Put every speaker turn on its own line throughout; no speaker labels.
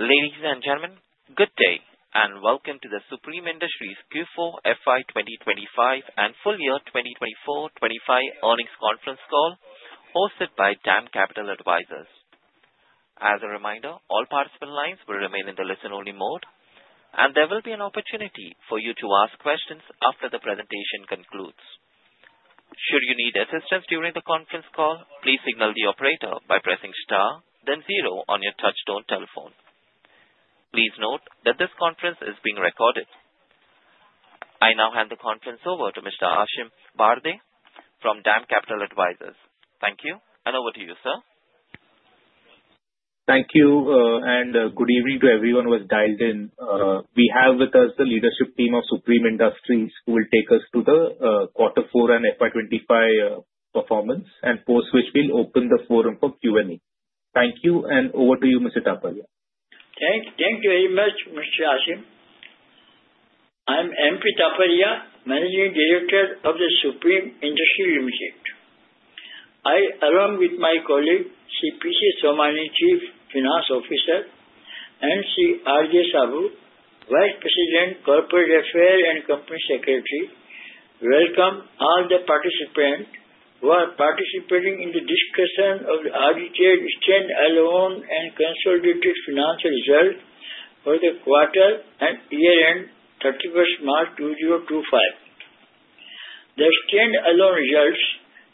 Ladies and gentlemen, good day and welcome to the Supreme Industries Q4 FY 2025 and full year 2024-2025 earnings conference call hosted by Dam Capital Advisors. As a reminder, all participant lines will remain in the listen-only mode, and there will be an opportunity for you to ask questions after the presentation concludes. Should you need assistance during the conference call, please signal the operator by pressing star, then zero on your touchstone telephone. Please note that this conference is being recorded. I now hand the conference over to Mr. Aasim Bharde from Dam Capital Advisors. Thank you, and over to you, sir.
Thank you, and good evening to everyone who has dialed in. We have with us the leadership team of Supreme Industries who will take us through the Q4 and FY 2025 performance and post, which will open the forum for Q&A. Thank you, and over to you, Mr. Taparia.
Thank you very much, Mr. Aasim. I'm M.P. Taparia, Managing Director of Supreme Industries Limited. I, along with my colleague, C.P.C. Somani, Chief Financial Officer, and C. R. J. Saboo, Vice President, Corporate Affairs and Company Secretary, welcome all the participants who are participating in the discussion of the audited stand-alone and consolidated financial results for the quarter and year-end 31st March 2025. The stand-alone results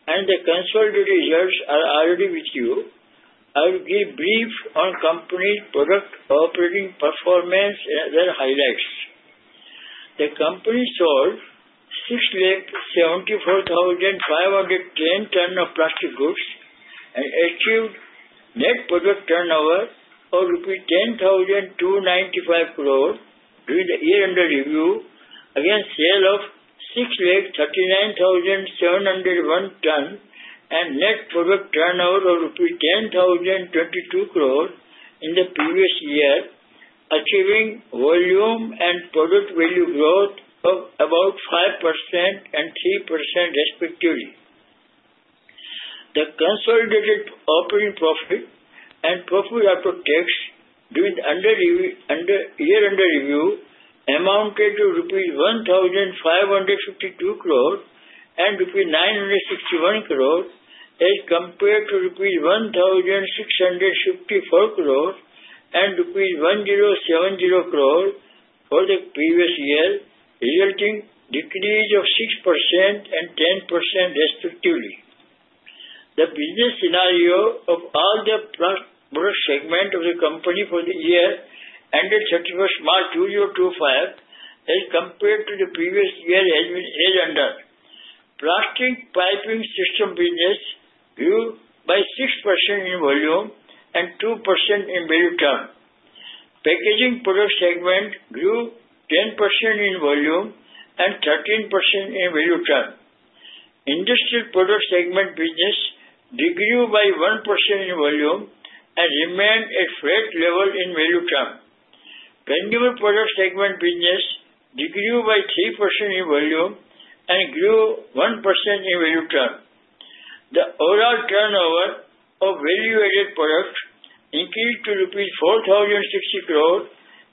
and the consolidated results are already with you. I will give a brief on the company's product operating performance and other highlights. The company sold 674,510 tons of plastic goods and achieved net product turnover of INR 10,295 crore during the year-end review against a sale of 639,701 tons and net product turnover of INR 10,022 crore in the previous year, achieving volume and product value growth of about 5% and 3% respectively. The consolidated operating profit and profit after tax during the year-end review amounted to rupees 1,552 crore and rupees 961 crore as compared to rupees 1,654 crore and rupees 1,070 crore for the previous year, resulting in a decrease of 6% and 10% respectively. The business scenario of all the product segments of the company for the year ended 31st March 2025, as compared to the previous year, has been year-end. Plastic piping system business grew by 6% in volume and 2% in value turn. Packaging product segment grew 10% in volume and 13% in value turn. Industrial product segment business decreased by 1% in volume and remained at flat level in value turn. Vendable product segment business decreased by 3% in volume and grew 1% in value turn. The overall turnover of value-added products increased to rupees 4,060 crore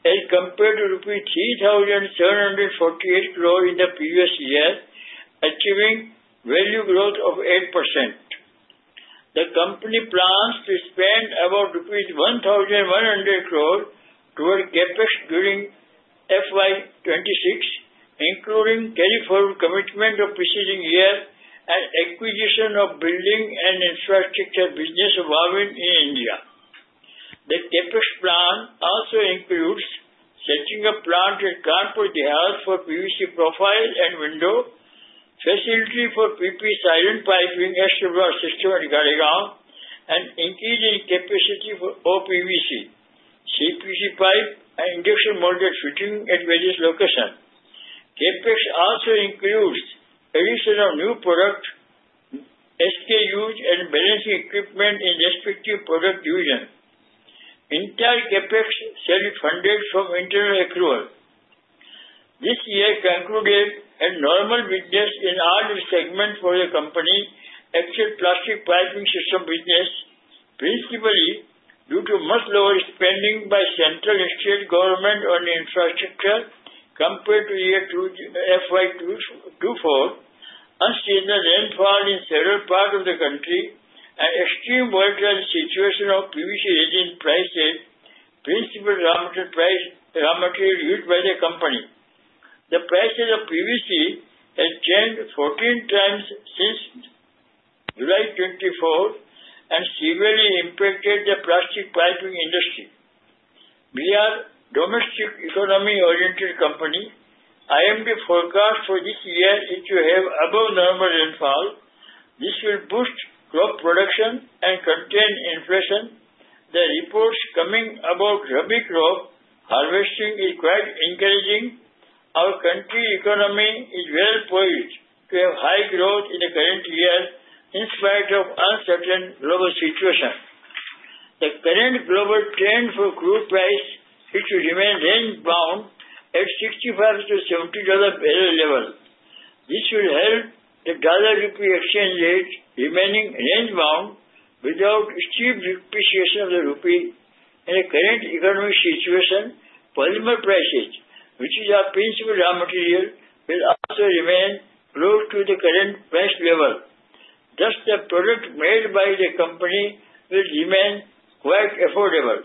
as compared to rupees 3,748 crore in the previous year, achieving value growth of 8%. The company plans to spend about rupees 1,100 crore toward CapEx during FY 2026, including carrying forward commitments of the preceding year and acquisitions of building and infrastructure businesses involved in India. The CapEx plan also includes setting up plants at Kanpur Dehat for PVC profiles and windows, facilities for PP silent piping extra broad system and guarding ground, and increasing capacity for OPVC, CPVC pipe, and induction moduled fitting at various locations. CapEx also includes the addition of new product SKUs and balancing equipment in respective product divisions. Entire CapEx shall be funded from internal accrual. This year concluded as normal business in all the segments for the company except Plastic Piping System business, principally due to much lower spending by central and state government on infrastructure compared to year FY 2024, unseen rainfall in several parts of the country, and extreme volatile situation of PVC retail prices, principal raw material used by the company. The prices of PVC have changed 14 times since July 2024 and severely impacted the plastic piping industry. We are a domestic economy-oriented company. IMD forecast for this year is to have above-normal rainfall. This will boost crop production and contain inflation. The reports coming about rubbing crop harvesting are quite encouraging. Our country's economy is well poised to have high growth in the current year in spite of the uncertain global situation. The current global trend for crude price is to remain range-bound at $65-$70 barrel level. This will help the dollar/rupee exchange rate remaining range-bound without steep depreciation of the rupee. In the current economic situation, polymer prices, which are our principal raw material, will also remain close to the current price level. Thus, the product made by the company will remain quite affordable.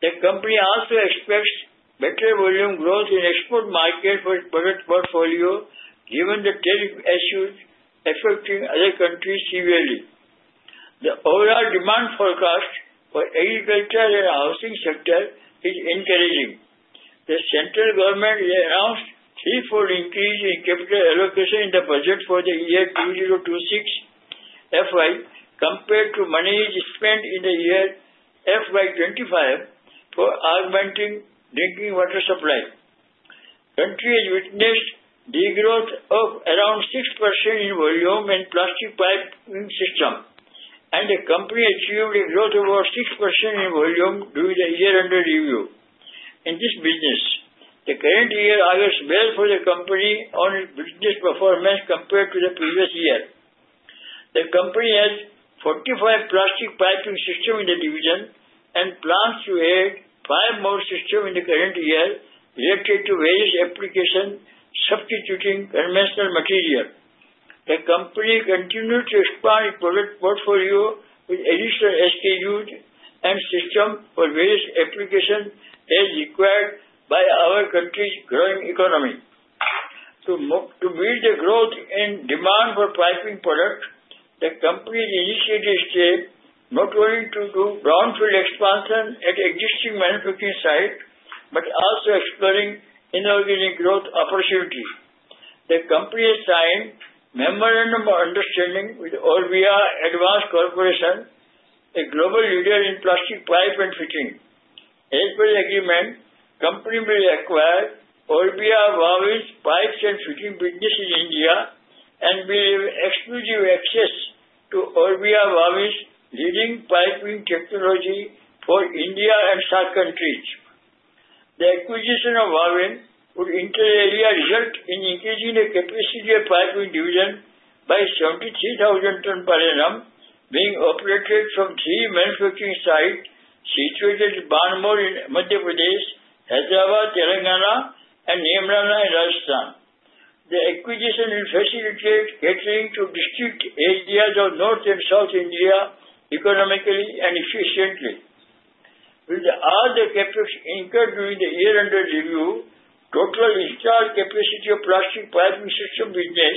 The company also expects better volume growth in the export market for its product portfolio, given the tariff issues affecting other countries severely. The overall demand forecast for agriculture and housing sectors is encouraging. The central government has announced a threefold increase in capital allocation in the budget for the year 2026 FY compared to money spent in the year FY 2025 for augmenting drinking water supply. The country has witnessed a degrowth of around 6% in volume in plastic piping system, and the company achieved a growth of about 6% in volume during the year-end review. In this business, the current year averages well for the company on its business performance compared to the previous year. The company has 45 plastic piping systems in the division and plans to add five more systems in the current year, related to various applications substituting conventional materials. The company continues to expand its product portfolio with additional SKUs and systems for various applications as required by our country's growing economy. To build the growth in demand for piping products, the company has initiated a stage not only to do brownfield expansion at existing manufacturing sites but also exploring inorganic growth opportunities. The company has signed a memorandum of understanding with Orbia Advance Corporation, a global leader in plastic piping and fitting. As per the agreement, the company will acquire Orbia Wavins' pipes and fitting business in India and will have exclusive access to Orbia Wavins' leading piping technology for India and South countries. The acquisition of Robins would in the area result in increasing the capacity of the piping division by 73,000 tons per annum, being operated from three manufacturing sites situated in Morena in Madhya Pradesh, Hyderabad, Telangana, and Neemrana in Rajasthan. The acquisition will facilitate catering to distinct areas of North and South India economically and efficiently. With all the CapEx incurred during the year-end review, the total installed capacity of the plastic piping system business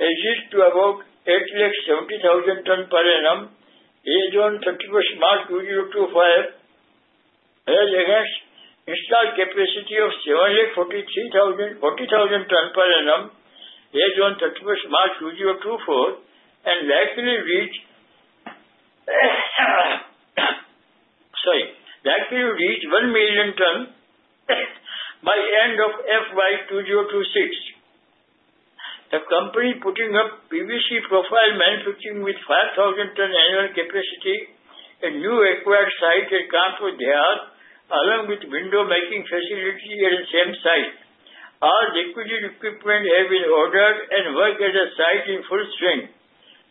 has reached about 870,000 tons per annum as of 31st March 2025, whereas the installed capacity of 740,000 tons per annum as of 31st March 2024 will likely reach 1 million tons by the end of FY 2026. The company is putting up PVC profile manufacturing with 5,000 tons annual capacity at newly acquired sites at Kanpur Dehat, along with window-making facilities at the same site. All the acquisition equipment has been ordered and works at the site in full strength.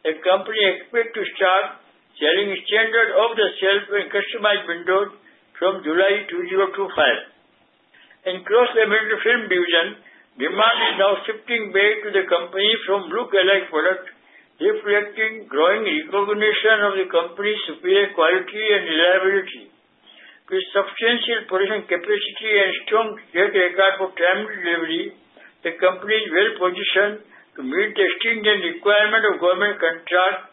The company expects to start selling standard off-the-shelf and customized windows from July 2025. In the cross-laminated film division, demand is now shifting back to the company from look-alike products, reflecting growing recognition of the company's superior quality and reliability. With substantial production capacity and a strong track record for timely delivery, the company is well-positioned to meet the extended requirements of government contracts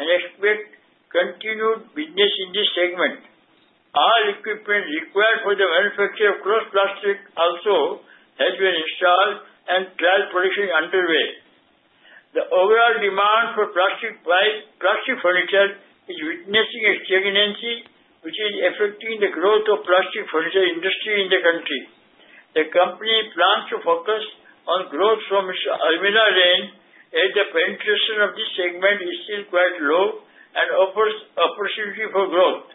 and expects continued business in this segment. All equipment required for the manufacture of cross-laminated film also has been installed, and trial production is underway. The overall demand for plastic furniture is witnessing a stagnancy, which is affecting the growth of the plastic furniture industry in the country. The company plans to focus on growth from its armada lane, as the penetration of this segment is still quite low and offers opportunities for growth.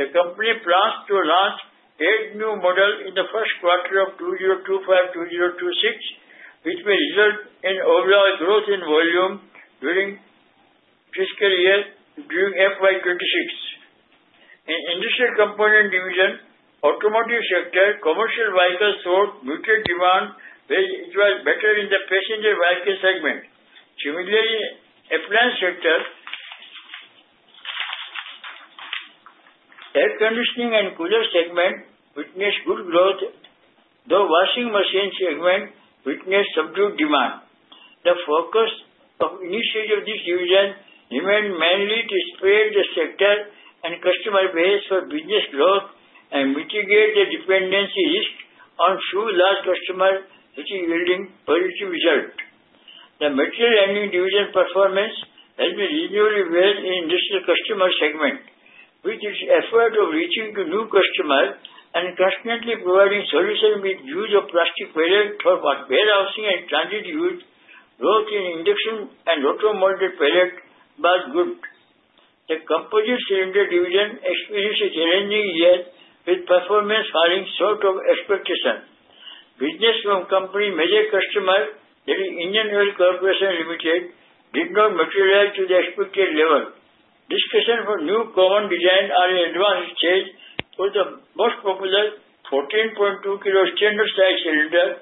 The company plans to launch eight new models in the first quarter of 2025-2026, which may result in overall growth in volume during the fiscal year during FY 26. In the industrial component division, the automotive sector and commercial vehicles saw muted demand, whereas it was better in the passenger vehicle segment. Similarly, the appliance sector, air conditioning, and cooler segments witnessed good growth, though the washing machine segment witnessed subdued demand. The focus of initiatives in this division remains mainly to spread the sector and customer base for business growth and mitigate the dependency risk on a few large customers, which is yielding positive results. The material handling division performance has been reasonably well in the industrial customer segment, with its efforts of reaching new customers and constantly providing solutions with the use of plastic pallets for warehousing and transient use, both in induction and automotive pallets, both good. The composite cylinder division experienced a challenging year, with performance falling short of expectations. Business from company's major customers, i.e., Indian Oil Corporation Limited, did not materialize to the expected level. Discussions for new common designs are in advance stage for the most popular 14.2 kg standard size cylinders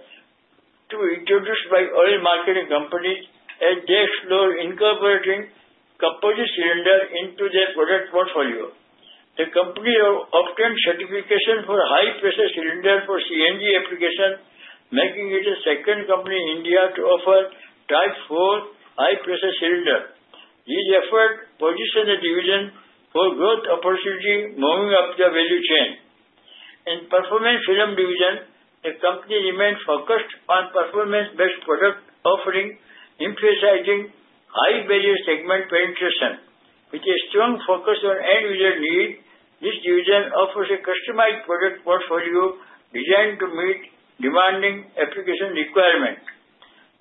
to be introduced by oil marketing companies as they explore incorporating composite cylinders into their product portfolio. The company has obtained certification for high-pressure cylinders for CNG applications, making it the second company in India to offer type 4 high-pressure cylinders. These efforts position the division for growth opportunities, moving up the value chain. In the performance film division, the company remains focused on performance-based product offerings, emphasizing high-value segment penetration. With a strong focus on end-user needs, this division offers a customized product portfolio designed to meet demanding application requirements.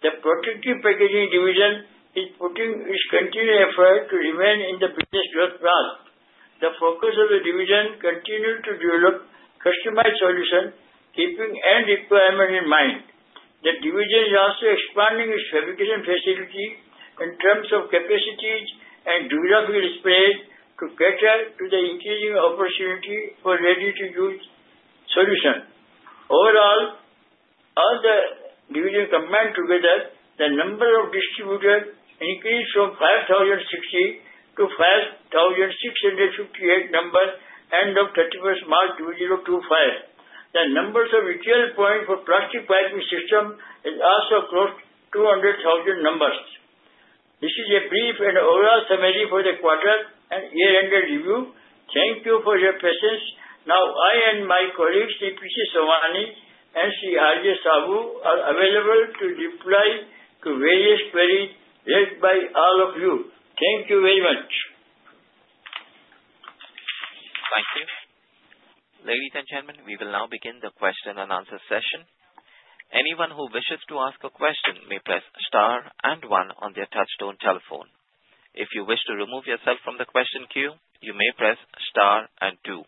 The protective packaging division is putting its continued efforts to remain in the business growth path. The focus of the division continues to develop customized solutions, keeping end requirements in mind. The division is also expanding its fabrication facilities in terms of capacities and geographical space to cater to the increasing opportunities for ready-to-use solutions. Overall, all the divisions combined together, the number of distributors increased from 5,060-5,658 numbers at the end of 31st March 2025. The number of retail points for plastic piping systems has also crossed 200,000 numbers. This is a brief and overall summary for the quarter and year-end review. Thank you for your patience. Now, I and my colleagues, M.P. Taparia, and Mr. R.J. Sabu, are available to reply to various queries raised by all of you. Thank you very much.
Thank you. Ladies and gentlemen, we will now begin the question and answer session. Anyone who wishes to ask a question may press star and one on their touchstone telephone. If you wish to remove yourself from the question queue, you may press star and two.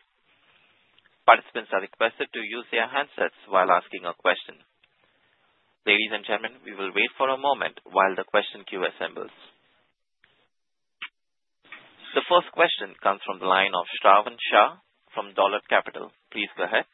Participants are requested to use their handsets while asking a question. Ladies and gentlemen, we will wait for a moment while the question queue assembles. The first question comes from the line of Shravan Shah from Dolat Capital. Please go ahead.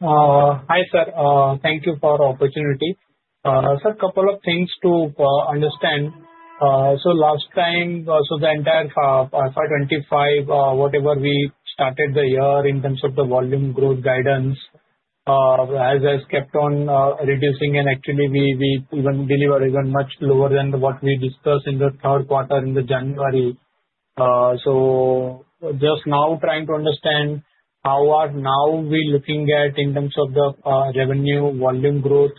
Hi, sir. Thank you for the opportunity. Sir, a couple of things to understand. Last time, the entire FY 2025, whatever we started the year in terms of the volume growth guidance, has kept on reducing, and actually, we even delivered much lower than what we discussed in the third quarter in January. Just now trying to understand how are we looking at in terms of the revenue volume growth,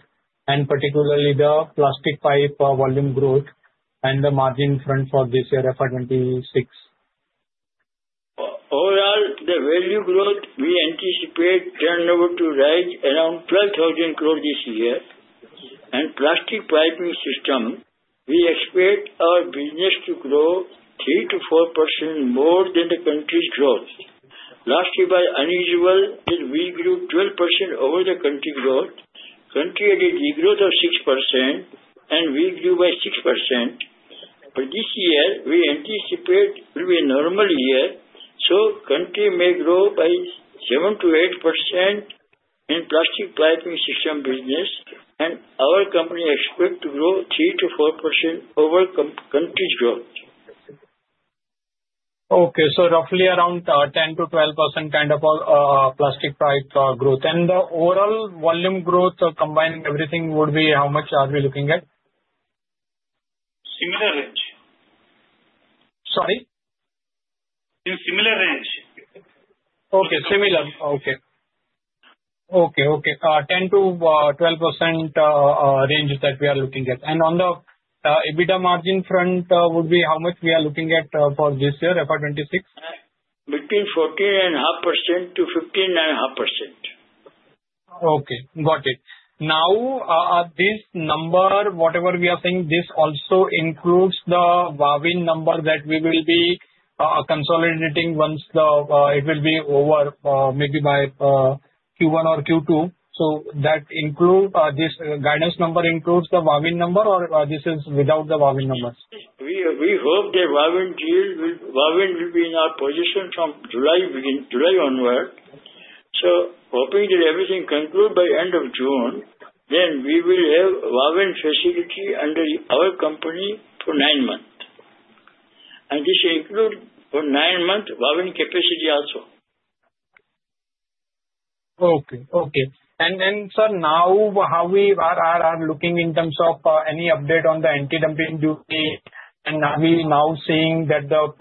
and particularly the plastic pipe volume growth and the margin front for this year, FY 2026.
Overall, the value growth we anticipate turning over to rise around 12,000 crore this year. Plastic piping system, we expect our business to grow 3%-4% more than the country's growth. Last year, by unusual, we grew 12% over the country growth. Country had a degrowth of 6%, and we grew by 6%. For this year, we anticipate it will be a normal year. Country may grow by 7%-8% in plastic piping system business, and our company expects to grow 3%-4% over country's growth.
Okay. Roughly around 10%-12% kind of plastic pipe growth. The overall volume growth, combining everything, would be how much are we looking at?
Similar range. Sorry?
In similar range. Okay. Similar. Okay. Okay. Okay. 10%-12% range that we are looking at. On the EBITDA margin front, would be how much we are looking at for this year, FY 2026?
Between 14.5%-15.5%. Okay. Got it. Now, this number, whatever we are saying, this also includes the Wavin number that we will be consolidating once it will be over, maybe by Q1 or Q2. That includes this guidance number, includes the Wavin number, or this is without the Wavin number? We hope that Wavin will be in our position from July onward. Hoping that everything concludes by the end of June, we will have Wavin facility under our company for nine months. This includes for nine months Wavin capacity also.
Okay. Okay. Sir, now how are we looking in terms of any update on the anti-dumping duty? Are we now seeing that the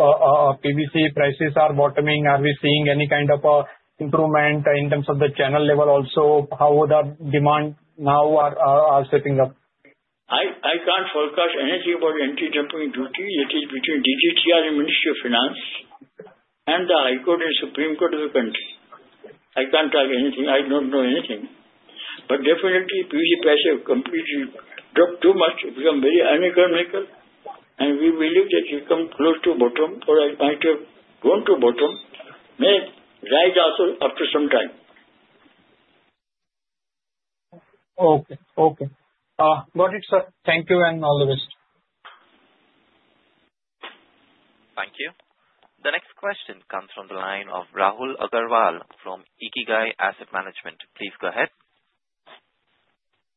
PVC prices are bottoming? Are we seeing any kind of improvement in terms of the channel level also? How the demand now are stepping up?
I can't forecast anything about anti-dumping duty. It is between DGTR and Ministry of Finance and the High Court and Supreme Court of the country. I can't tell anything. I don't know anything. Definitely, PVC prices have completely dropped too much to become very unequal and equal. We believe that we've come close to bottom, or it might have gone to bottom, may rise also after some time.
Okay. Okay. Got it, sir. Thank you and all the best.
Thank you. The next question comes from the line of Rahul Agarwal from Ikigai Asset Management. Please go ahead.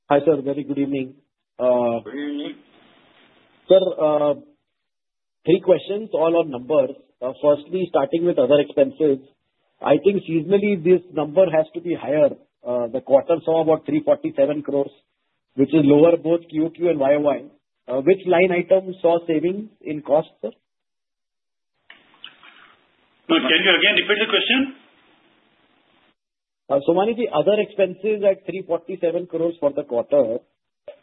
Hi, sir. Very good evening. Good evening. Sir, three questions, all on numbers. Firstly, starting with other expenses, I think seasonally this number has to be higher. The quarter saw about 347 crore, which is lower both Q2 and YoY. Which line item saw savings in cost, sir?
Can you again repeat the question?
Somani, the other expenses at 347 crore for the quarter,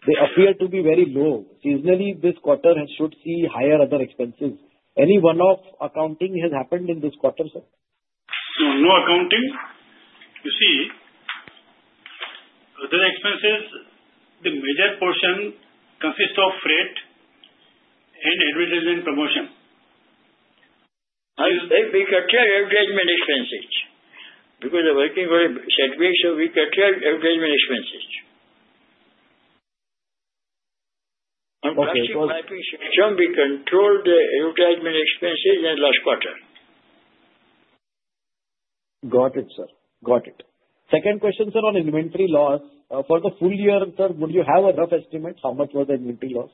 they appear to be very low. Seasonally, this quarter should see higher other expenses. Any one-off accounting has happened in this quarter, sir?
No, no accounting. You see, other expenses, the major portion consists of freight and advertisement promotion.
We kept our advertisement expenses because the working world said we kept our advertisement expenses. Okay. So, we controlled the advertisement expenses in the last quarter.
Got it, sir. Got it. Second question, sir, on inventory loss. For the full year, sir, would you have a rough estimate how much was the inventory loss?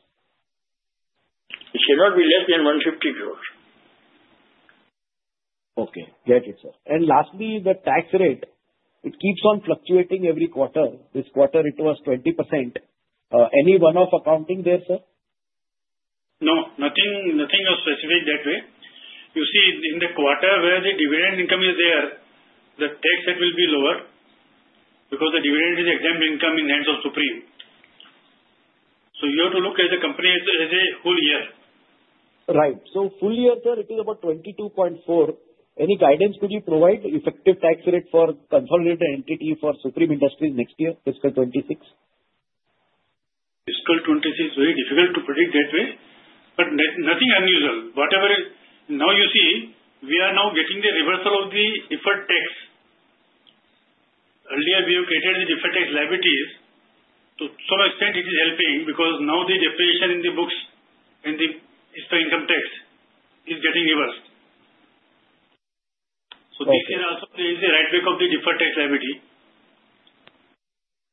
It should not be less than 150 crore.
Okay. Got it, sir. Lastly, the tax rate, it keeps on fluctuating every quarter. This quarter, it was 20%. Any one-off accounting there, sir? No, nothing was specific that way.
You see, in the quarter where the dividend income is there, the tax rate will be lower because the dividend is exempt income in the hands of Supreme. You have to look at the company as a whole year
Right. Full year, sir, it is about 22.4%. Any guidance could you provide effective tax rate for consolidated entity for Supreme Industries next year, fiscal 2026?
Fiscal 2026, very difficult to predict that way. Nothing unusual. You see, we are now getting the reversal of the deferred tax. Earlier, we have created the deferred tax liabilities. To some extent, it is helping because now the depreciation in the books and the fiscal income tax is getting reversed. This year also, there is a rate break of the deferred tax liability.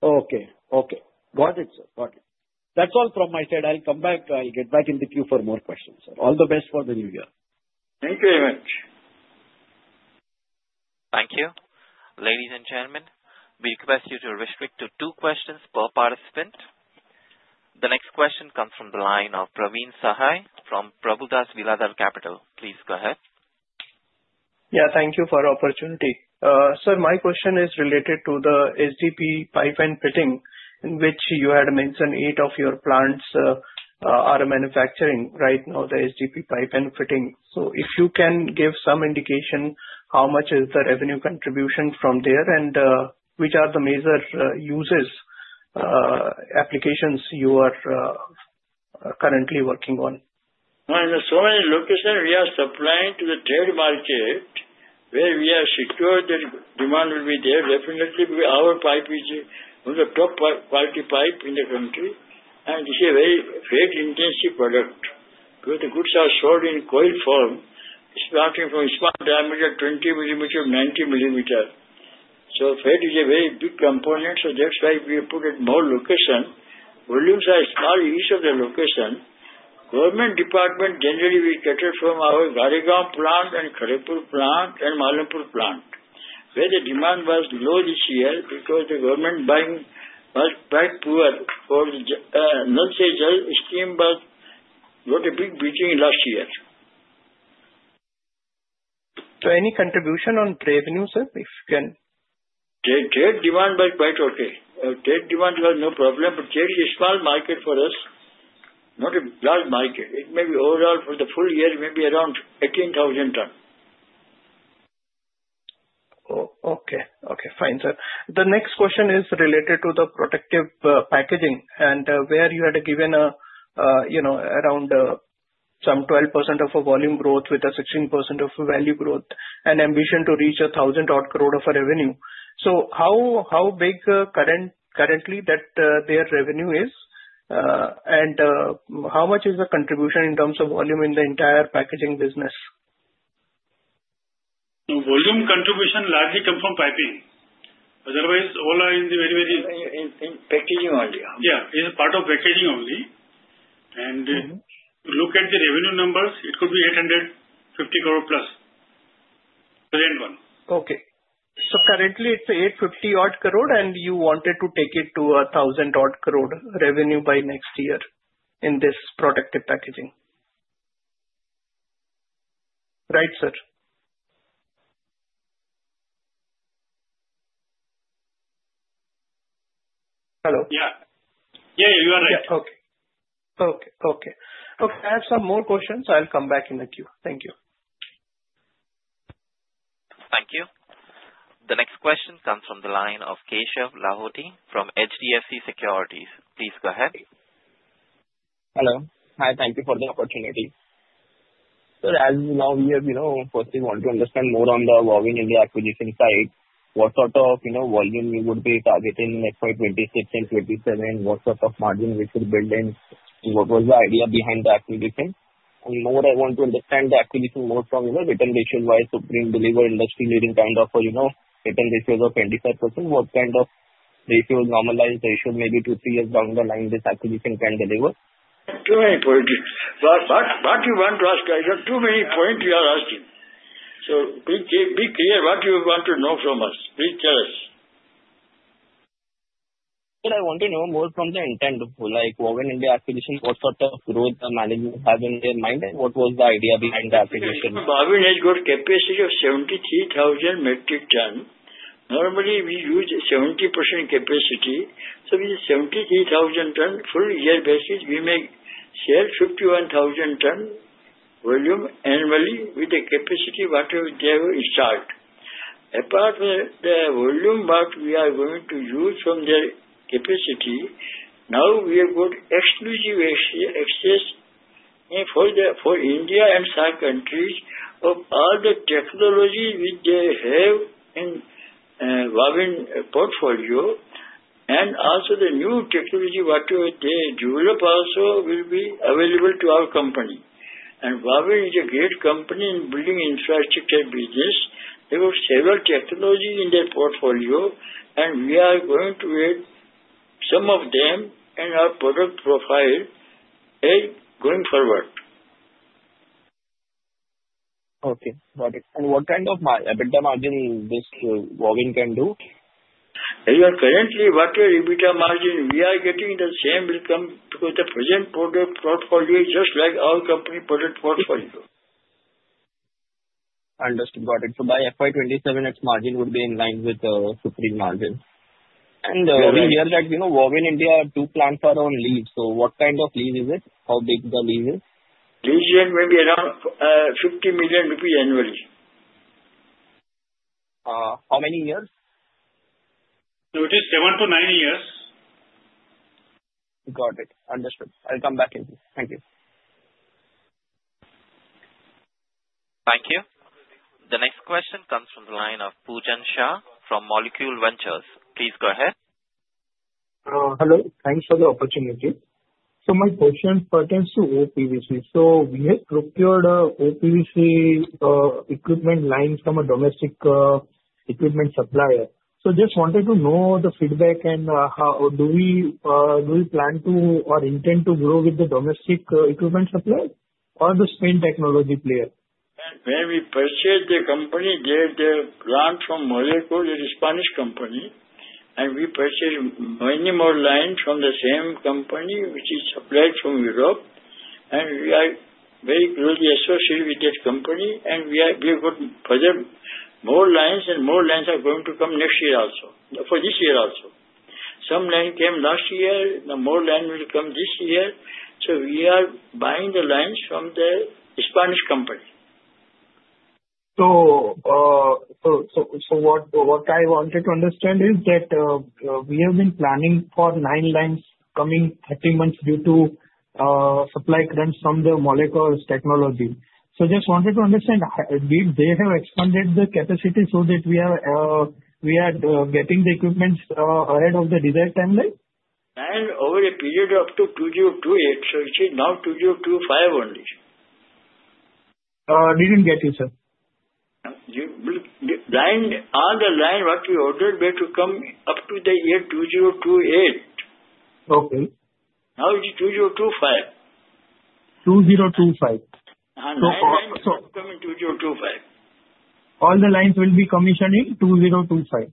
Okay. Got it, sir. Got it. That's all from my side. I'll come back. I'll get back in the queue for more questions, sir. All the best for the new year.
Thank you very much.
Thank you. Ladies and gentlemen, we request you to restrict to two questions per participant. The next question comes from the line of Praveen Sahay from Prabhudas Lilladher Capital. Please go ahead.
Yeah. Thank you for the opportunity. Sir, my question is related to the SDP pipe and fitting, in which you had mentioned eight of your plants are manufacturing right now the SDP pipe and fitting. If you can give some indication how much is the revenue contribution from there and which are the major uses, applications you are currently working on?
In so many locations, we are supplying to the trade market where we are secured that demand will be there. Definitely, our pipe is one of the top quality pipes in the country. It is a very freight-intensive product because the goods are sold in coil form, starting from small diameter, 20 mm, 90 mm. Freight is a very big component, so that's why we put at more locations. Volumes are small in each of the locations. Government department generally will cater from our Gajraula plant and Kharagpur plant and Malanpur plant, where the demand was low this year because the government buying was quite poor for the non-scheduled scheme, which got a big beating last year.
Any contribution on revenue, sir, if you can?
Trade demand was quite okay. Trade demand was no problem, but trade is a small market for us, not a large market. It may be overall for the full year, maybe around 18,000 ton.
Okay. Fine, sir. The next question is related to the protective packaging and where you had given around some 12% of a volume growth with a 16% of value growth and ambition to reach 1,000 crore of a revenue. How big currently that their revenue is? And how much is the contribution in terms of volume in the entire packaging business?
Volume contribution largely comes from piping. Otherwise, all are in the very, very packaging only. Yeah. It is part of packaging only. Look at the revenue numbers, it could be 850 crore+ present one.
Okay. Currently, it's 850 crore, and you wanted to take it to 1,000 crore revenue by next year in this protective packaging. Right, sir?
Hello? Yeah. Yeah. You are right. Okay. Okay. Okay. I have some more questions. I'll come back in the queue. Thank you. Thank you.
The next question comes from the line of Keshav Lahoti from HDFC Securities. Please go ahead.
Hello. Hi. Thank you for the opportunity. Sir, as now we have firstly wanted to understand more on the Wavin India acquisition side, what sort of volume we would be targeting in FY 2026 and 2027, what sort of margin we should build in, what was the idea behind the acquisition. More I want to understand the acquisition more from return ratio-wise, Supreme deliver industry leading kind of return ratio of 25%, what kind of ratio, normalized ratio, maybe two, three years down the line this acquisition can deliver.
Too many points. What you want to ask, Keshav, too many points you are asking. Please be clear what you want to know from us. Please tell us.
Sir, I want to know more from the intent, like Wavin India acquisition, what sort of growth management have in their mind, and what was the idea behind the acquisition?
Wavin has got capacity of 73,000 metric tons. Normally, we use 70% capacity. So, with 73,000 tons full year basis, we may sell 51,000 tons volume annually with the capacity whatever they have installed. Apart from the volume what we are going to use from their capacity, now we have got exclusive access for India and SAR countries of all the technology which they have in Wavin portfolio. Also the new technology whatever they develop also will be available to our company. Wavin is a great company in building infrastructure business. They have several technologies in their portfolio, and we are going to add some of them in our product profile as going forward.
Okay. Got it. What kind of EBITDA margin can this Robin do?
You are currently whatever EBITDA margin we are getting, the same will come because the present portfolio is just like our company product portfolio.
Understood. Got it. By financial year 2027, its margin would be in line with Supreme margin. We hear that Robin India, two plants are on lease. What kind of lease is it? How big is the lease?
Lease yield may be around INR 50 million annually.
How many years?
It is seven to nine years.
Got it. Understood. I'll come back in. Thank you.
Thank you. The next question comes from the line of Pujan Shah from Molecule Ventures. Please go ahead.
Hello. Thanks for the opportunity. My question pertains to OPVC. We have procured OPVC equipment line from a domestic equipment supplier. I just wanted to know the feedback and how do we plan to or intend to grow with the domestic equipment supplier or the Spain technology player?
We purchased the company. They have their plant from Molecor. It is a Spanish company. We purchased many more lines from the same company, which is supplied from Europe. We are very closely associated with that company. We have got further more lines, and more lines are going to come next year also, for this year also. Some line came last year. More line will come this year. We are buying the lines from the Spanish company.
What I wanted to understand is that we have been planning for nine lines coming thirty months due to supply currents from the Molecor technology. Just wanted to understand, did they have expanded the capacity so that we are getting the equipment ahead of the desired timeline?
Line over a period up to 2028, sir, which is now 2025 only.
Didn't get you, sir.
All the line what we ordered were to come up to the year 2028. Now it is 2025.
2025. All the lines will be commissioned in 2025,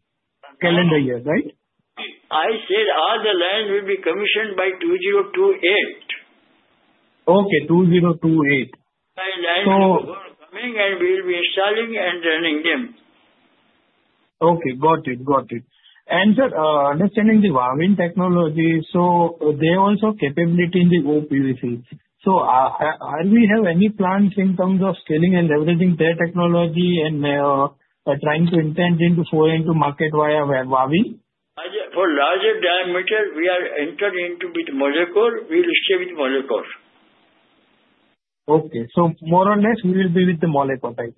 calendar year, right?
I said all the lines will be commissioned by 2028.
Okay. 2028.
We are coming and we will be installing and running them.
Okay. Got it. Got it. Sir, understanding the Wavin technology, they also have capability in the OPVC. Are we have any plans in terms of scaling and leveraging their technology and trying to intend to foreign market via Wavin?
For larger diameters, we are entered into with Molecor. We will stay with Molecules.
Okay. So, more or less, we will be with the Molecules, right,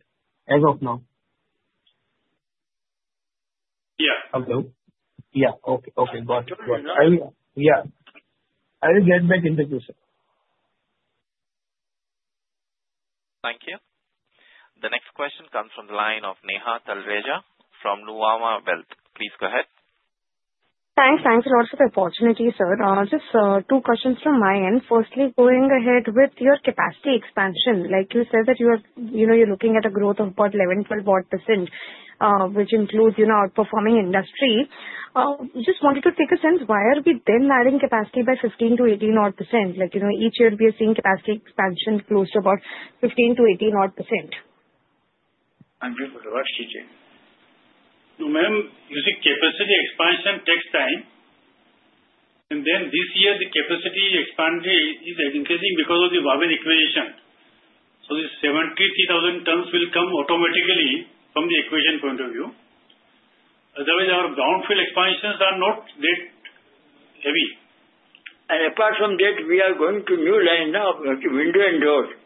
as of now?
Yeah.
Okay. Yeah. Okay. Okay. Got it. Yeah. I will get back in the queue, sir.
Thank you. The next question comes from the line of Sneha Talreja from Nuvama Wealth. Please go ahead.
Thanks. Thanks a lot for the opportunity, sir. Just two questions from my end. Firstly, going ahead with your capacity expansion, like you said that you're looking at a growth of about 11%-12%, which includes outperforming industry. Just wanted to take a sense, why are we then adding capacity by 15%-18%? Each year, we are seeing capacity expansion close to about 15%-18%. Thank you for the question, sir.
To meme, you see capacity expansion takes time. This year, the capacity expansion is increasing because of the Wavin acquisition. The 73,000 tons will come automatically from the acquisition point of view. Otherwise, our greenfield expansions are not that heavy.
Apart from that, we are going to a new line now, window and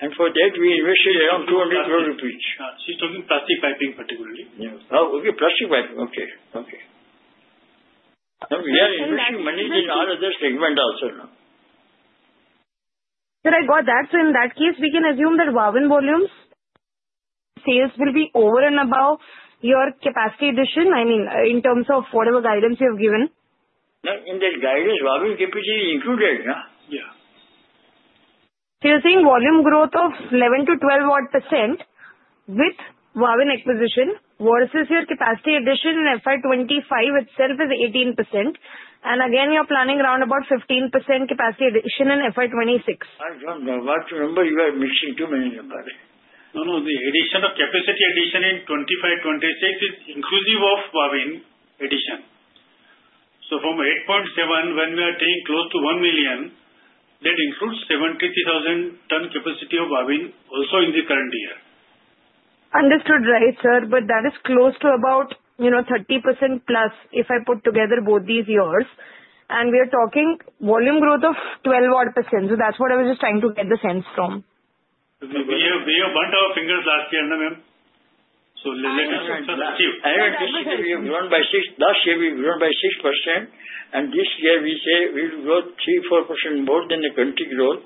door. For that, we invested around 200 crore rupees.
She's talking plastic piping particularly. Oh, okay. Plastic piping. Okay.
Okay. We are investing money in all other segments also now.
Sir, I got that. In that case, we can assume that Wavin volumes, sales will be over and above your capacity addition, I mean, in terms of whatever guidance you have given. In that guidance, Wavin capacity is included, yeah? Yeah. You're saying volume growth of 11%-12% with Wavin acquisition versus your capacity addition in FY 2025 itself is 18%. You are planning around about 15% capacity addition in FY 2026. I do not know. Remember, you are missing too many numbers.
No, no. The addition of capacity addition in 2025-2026 is inclusive of Robin addition. From 8.7, when we are taking close to 1 million, that includes 73,000 ton capacity of Robin also in the current year.
Understood, right, sir? That is close to about 30+ if I put together both these years. We are talking volume growth of 12%. That is what I was just trying to get the sense from.
We have burnt our fingers last year, ma'am. Let me just tell you. I have a tissue we have grown by 6%. This year, we say we will grow 3%-4% more than the country growth.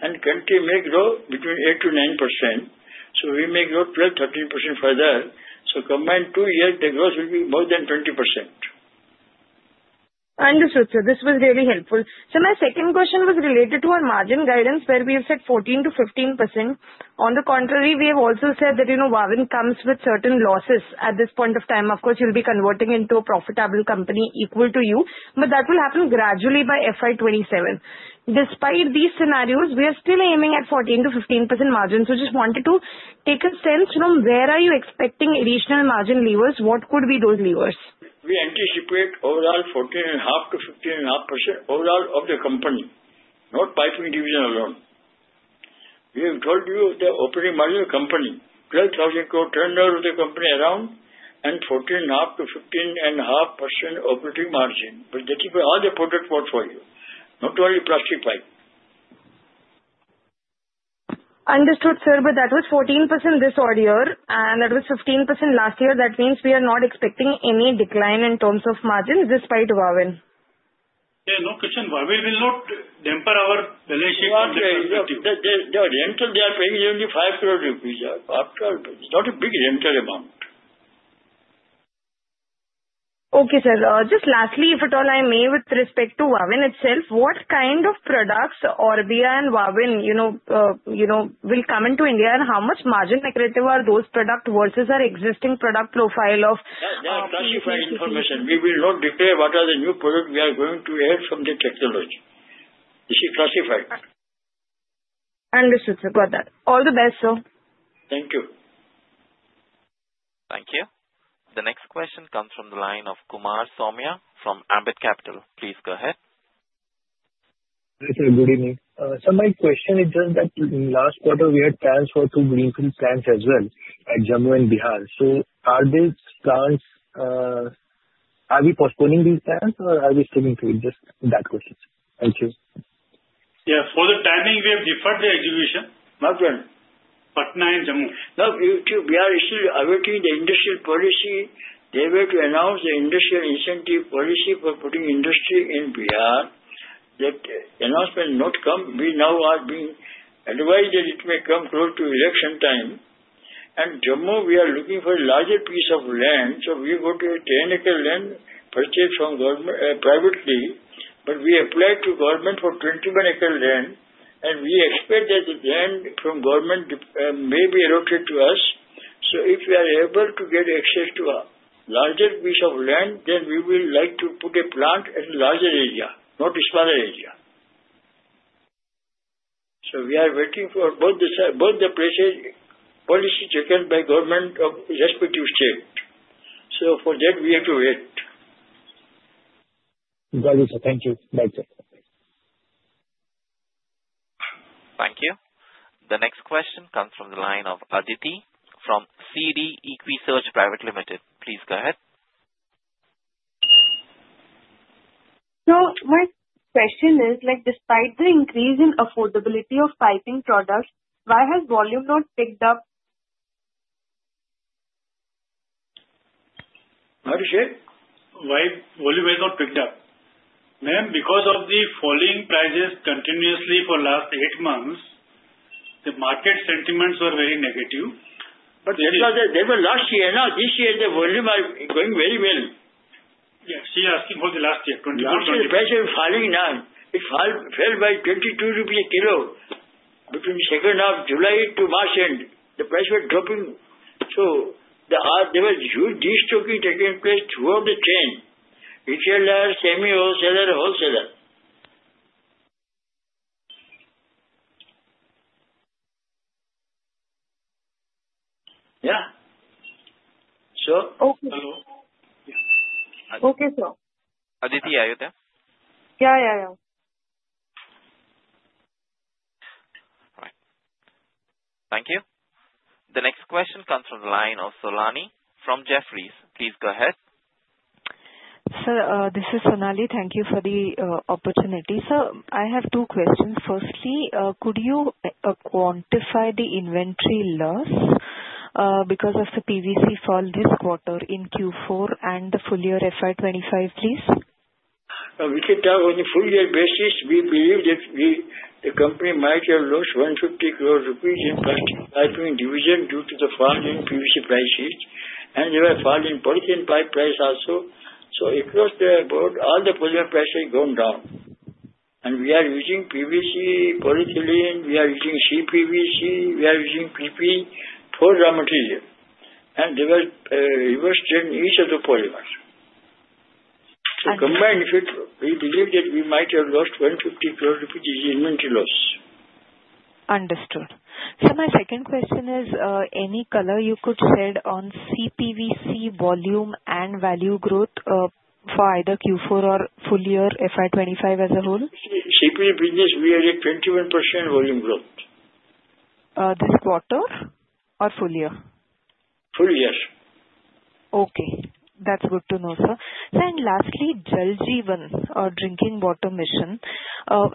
Country may grow between 8%-9%. We may grow 12%-13% further. Combined two years, the growth will be more than 20%.
Understood, sir. This was really helpful. Sir, my second question was related to our margin guidance where we have said 14%-15%. On the contrary, we have also said that Robin comes with certain losses at this point of time. Of course, you'll be converting into a profitable company equal to you, but that will happen gradually by FY 2027. Despite these scenarios, we are still aiming at 14%-15% margin. Just wanted to take a sense from where are you expecting additional margin levers? What could be those levers?
We anticipate overall 14.5%-15.5% overall of the company, not piping division alone. We have told you the operating margin of the company, 12,000 crore turnover of the company around and 14.5%-15.5% operating margin. That is all the product portfolio, not only plastic pipe.
Understood, sir. That was 14% this year, and that was 15% last year. That means we are not expecting any decline in terms of margins despite Robin.
Yeah. No question. Robin will not temper our relationship with you.
The rental they are paying is only 5 crore rupees. It's not a big rental amount.
Okay, sir. Just lastly, if at all I may, with respect to Robin itself, what kind of products Orbia and Robin will come into India, and how much margin narrative are those product versus our existing product profile of?
Yeah. That's classified information. We will not declare what are the new products we are going to add from the technology. This is classified.
Understood, sir. Got that. All the best, sir.
Thank you.
Thank you. The next question comes from the line of Kumar Saumya from Ambit Capital. Please go ahead.
Hi, sir. Good evening. Sir, my question is just that last quarter, we had plans for two greenfield plants as well at Jammu and Bihar. Are these plants, are we postponing these plans, or are we sticking to it? Just that question. Thank you.
Yeah. For the timing, we have deferred the execution.
Not well.
Patna and Jammu.
Now, we are still awaiting the industry policy. They were to announce the industry incentive policy for putting industry in Bihar. That announcement not come, we now are being advised that it may come close to election time. Jammu, we are looking for a larger piece of land. We go to a 10-acre land purchased from government privately, but we applied to government for 21-acre land. We expect that the land from government may be allocated to us. If we are able to get access to a larger piece of land, then we will like to put a plant in a larger area, not a smaller area. We are waiting for both the places policy taken by government of respective state. For that, we have to wait.
Got it, sir. Thank you. Bye, sir.
Thank you. The next question comes from the line of Aditi from CD Equisearch Private Limited. Please go ahead.
My question is, despite the increase in affordability of piping products, why has volume not picked up? Not yet. Why volume has not picked up?
Ma'am, because of the falling prices continuously for the last eight months, the market sentiments were very negative.
That was last year. Now, this year, the volume are going very well.
Yeah. She's asking for the last year, 2024-2025.
The price is falling now. It fell by 22 rupees a kilo between the second half of July to March end. The price was dropping. There was huge de-stocking taking place throughout the chain, retailer, semi wholesaler, wholesaler.
Yeah. Okay. Hello.
Okay, sir.
Aditi, are you there?
Yeah. Yeah. Yeah.
Thank you. The next question comes from the line of Sonali from Jefferies. Please go ahead.
Sir, this is Sonali. Thank you for the opportunity. Sir, I have two questions. Firstly, could you quantify the inventory loss because of the PVC fall this quarter in Q4 and the full year FY 2025, please?
We can tell on a full year basis. We believe that the company might have lost 150 crore rupees in the plastic piping division due to the fall in PVC prices. There were falls in polyethylene pipe price also. Across the board, all the polymer prices have gone down. We are using PVC, polyethylene. We are using CPVC. We are using PP for raw material. There was reverse trend in each of the polymers. Combined effect, we believe that we might have lost 150 crore rupees in inventory loss.
Understood. Sir, my second question is, any color you could shed on CPVC volume and value growth for either Q4 or full year FY 2025 as a whole? CPVC business, we had a 21% volume growth. This quarter or full year? Full year. Okay. That's good to know, sir. Sir, and lastly, Jal Jeevan drinking water mission,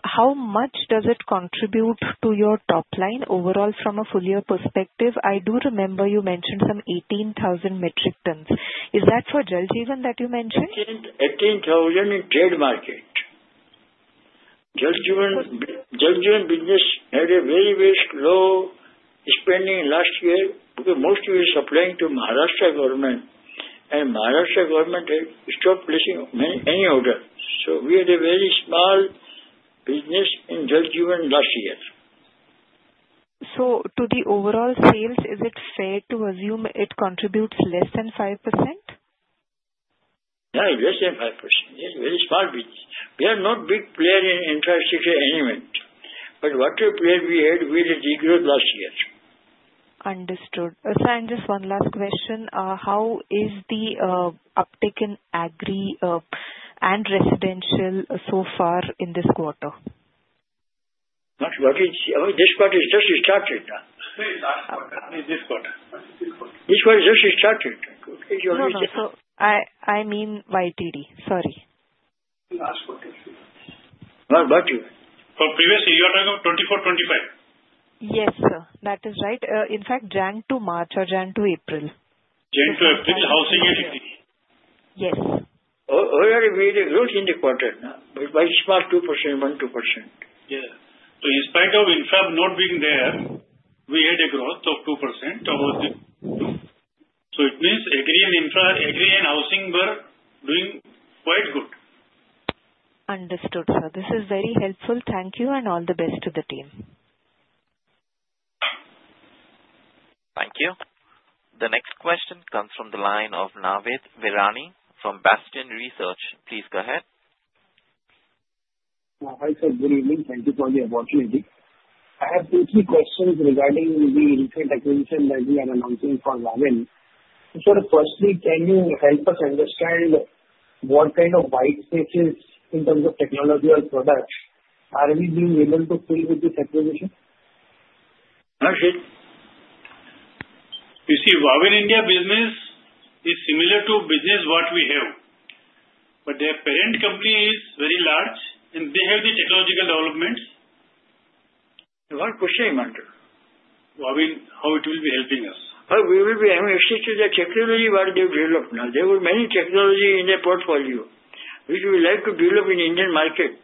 how much does it contribute to your top line overall from a full year perspective? I do remember you mentioned some 18,000 metric tons. Is that for Jal Jeevan that you mentioned?
18,000 in trade market. Jal Jeevan business had a very, very slow spending last year because mostly we were supplying to Maharashtra government. Maharashtra government had stopped placing any order. We had a very small business in Jal Jeevan last year. To the overall sales, is it fair to assume it contributes less than 5%? No, less than 5%. It's a very small business. We are not a big player in infrastructure anyway. Whatever player we had, we had a degrowth last year.
Understood. Sir, and just one last question. How is the uptake in agri and residential so far in this quarter?
This quarter is just started now. This quarter. This quarter is just started.
No, no. Sir, I mean by TD. Sorry. Last quarter.
Not by TD.
For previous year, you are talking of 2024, 2025?
Yes, sir. That is right. In fact, January to March or January to April.
January to April, housing unity.
Yes.
Overall, we had a growth in the quarter now by a small 2%, 1%-2%. Yeah.
In spite of infra not being there, we had a growth of 2% over the two. It means agri and housing were doing quite good.
Understood, sir. This is very helpful. Thank you. All the best to the team.
Thank you. The next question comes from the line of Navid Virani from Bastion Research. Please go ahead.
Hi, sir. Good evening. Thank you for the opportunity. I have two or three questions regarding the recent acquisition that we are announcing for Wavin. Sir, firstly, can you help us understand what kind of white spaces in terms of technology or products are we being able to fill with this acquisition?
Not yet. You see, Wavin India business is similar to business what we have. But their parent company is very large, and they have the technological developments. What pushing them under? Wavin, how it will be helping us?
We will be invested to the technology what they've developed now. There were many technology in their portfolio which we would like to develop in the Indian market.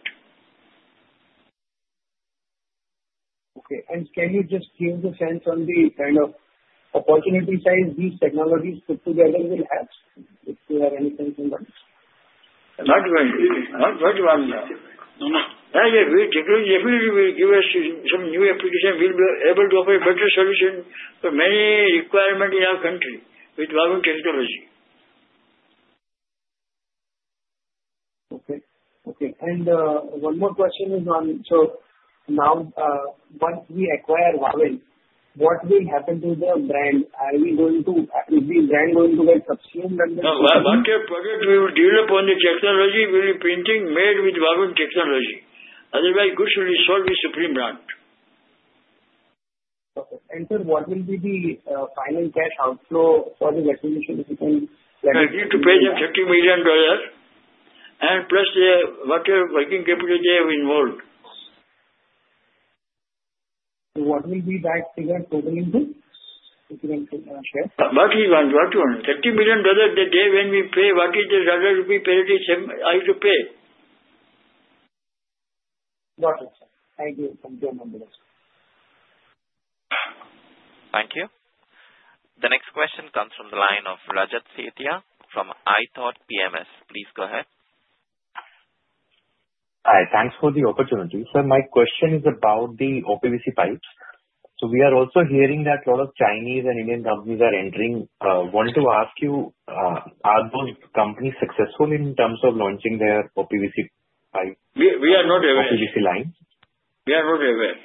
Okay. And can you just give the sense on the kind of opportunity size these technologies put together will have? If you have any sense on that.
Not very much. Not very much now. No, no. Yeah, yeah. We definitely will give us some new application. We'll be able to offer a better solution for many requirements in our country with Wavin technology.
Okay. Okay. One more question is on, so now, once we acquire Wavin, what will happen to the brand? Is the brand going to get subsidy under?
No. What we will develop on the technology will be printing made with Wavin technology. Otherwise, goods will be sold with Supreme brand. Okay. Sir, what will be the final cash outflow for this acquisition if you can? We need to pay them $30 million and plus whatever working capital they have involved. What will be that figure totaling to, if you can share? What is what? $30 million that day when we pay, what is the dollar rupee parity I have to pay?
Got it, sir. I do. Thank you.
Thank you. The next question comes from the line of Rajat Sethia from ithought PMS. Please go ahead.
Hi. Thanks for the opportunity. Sir, my question is about the OPVC pipes. We are also hearing that a lot of Chinese and Indian companies are entering. I want to ask you, are those companies successful in terms of launching their OPVC pipe?
We are not aware. OPVC line? We are not aware.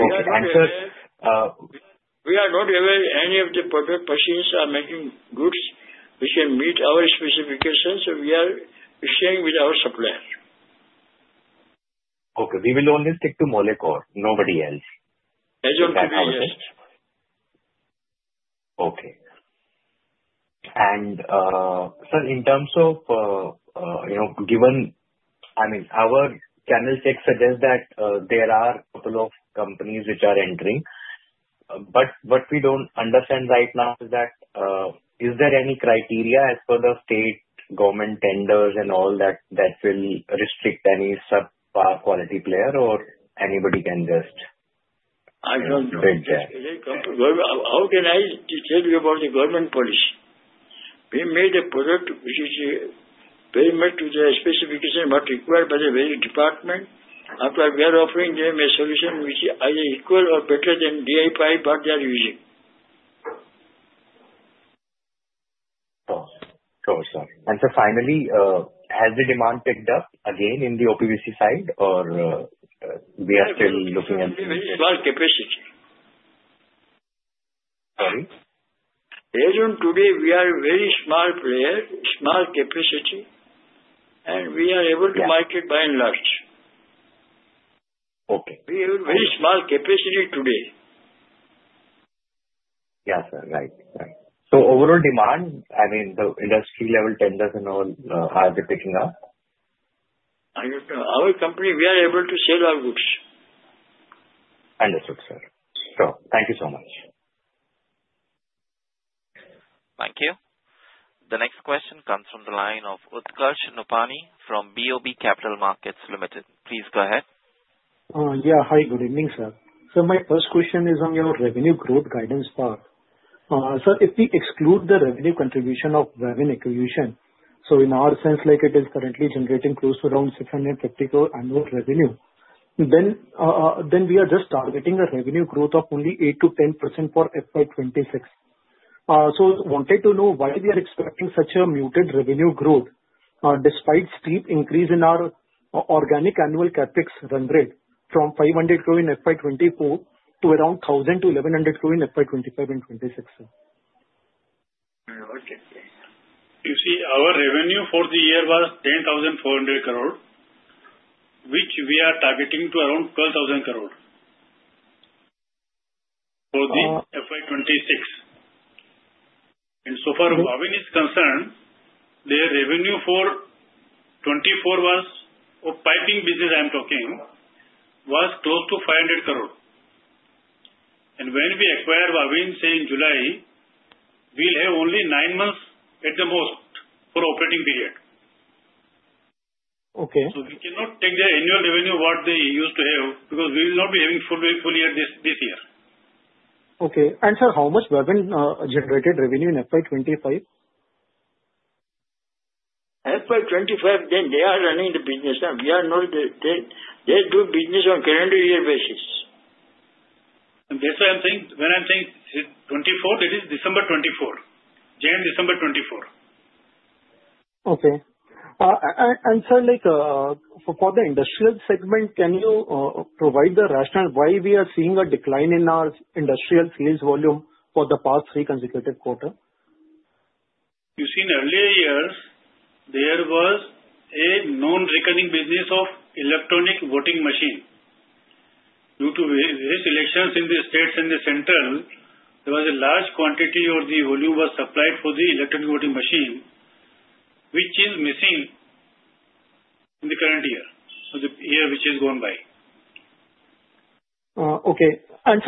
Okay. Sir,
we are not aware any of the perfect machines are making goods which can meet our specifications, so we are staying with our suppliers.
We will only stick to Molecor. Nobody else.
That is all PBS.
In terms of given, I mean, our channel checks suggest that there are a couple of companies which are entering. What we do not understand right now is that, is there any criteria as per the state government tenders and all that that will restrict any sub-quality player, or anybody can just take that?
How can I tell you about the government policy? We made a product which is very much to the specification what required by the various department. After we are offering them a solution which is either equal or better than DI pipe what they are using.
Sure. Sure. Sure. Sir, finally, has the demand picked up again in the OPVC side, or we are still looking at?
We have a very small capacity.
Sorry?
As of today, we are a very small player, small capacity, and we are able to market by and large. We have a very small capacity today.
Yeah, sir. Right. Right. Overall demand, I mean, the industry-level tenders and all, are they picking up? Our company, we are able to sell our goods. Understood, sir. Sure. Thank you so much.
Thank you. The next question comes from the line of Utkarsh Nopany from BOB Capital Markets Limited. Please go ahead.
Yeah. Hi. Good evening, sir. Sir, my first question is on your revenue growth guidance part. Sir, if we exclude the revenue contribution of Robin acquisition, so in our sense, like it is currently generating close to around 650 crore annual revenue, then we are just targeting a revenue growth of only 8%-10% for FY 2026. So, wanted to know why we are expecting such a muted revenue growth despite steep increase in our organic annual CAPEX run rate from 500 crore in FY 2024 to around 1,000-1,100 crore in FY 2025 and 2026. Okay.
You see, our revenue for the year was 10,400 crore, which we are targeting to around 12,000 crore for FY 2026. So far, Robin is concerned, their revenue for 2024 was, or piping business I'm talking, was close to 500 crore. When we acquire Robin, say in July, we'll have only nine months at the most for operating period. We cannot take their annual revenue what they used to have because we will not be having full year this year.
Okay. Sir, how much Robin generated revenue in FY 2025?
FY 2025, then they are running the business. We are not, they do business on calendar year basis.
That's why I'm saying when I'm saying 2024, that is December 2024. January-December 2024.
Sir, for the industrial segment, can you provide the rationale why we are seeing a decline in our industrial sales volume for the past three consecutive quarters?
You see, in earlier years, there was a non-recurring business of electronic voting machine. Due to various elections in the states and the central, there was a large quantity of the volume was supplied for the electronic voting machine, which is missing in the current year, the year which has gone by.
Okay.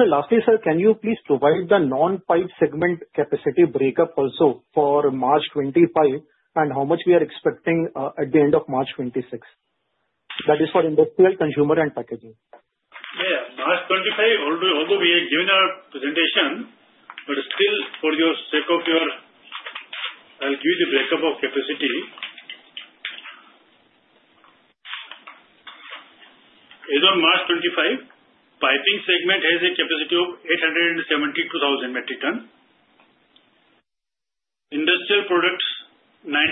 Sir, lastly, can you please provide the non-pipe segment capacity breakup also for March 2025 and how much we are expecting at the end of March 2026? That is for industrial, consumer, and packaging.
Yeah. March 2025, although we have given our presentation, but still, for the sake of your, I'll give you the breakup of capacity. As of March 2025, piping segment has a capacity of 872,000 metric tons. Industrial products, 91,000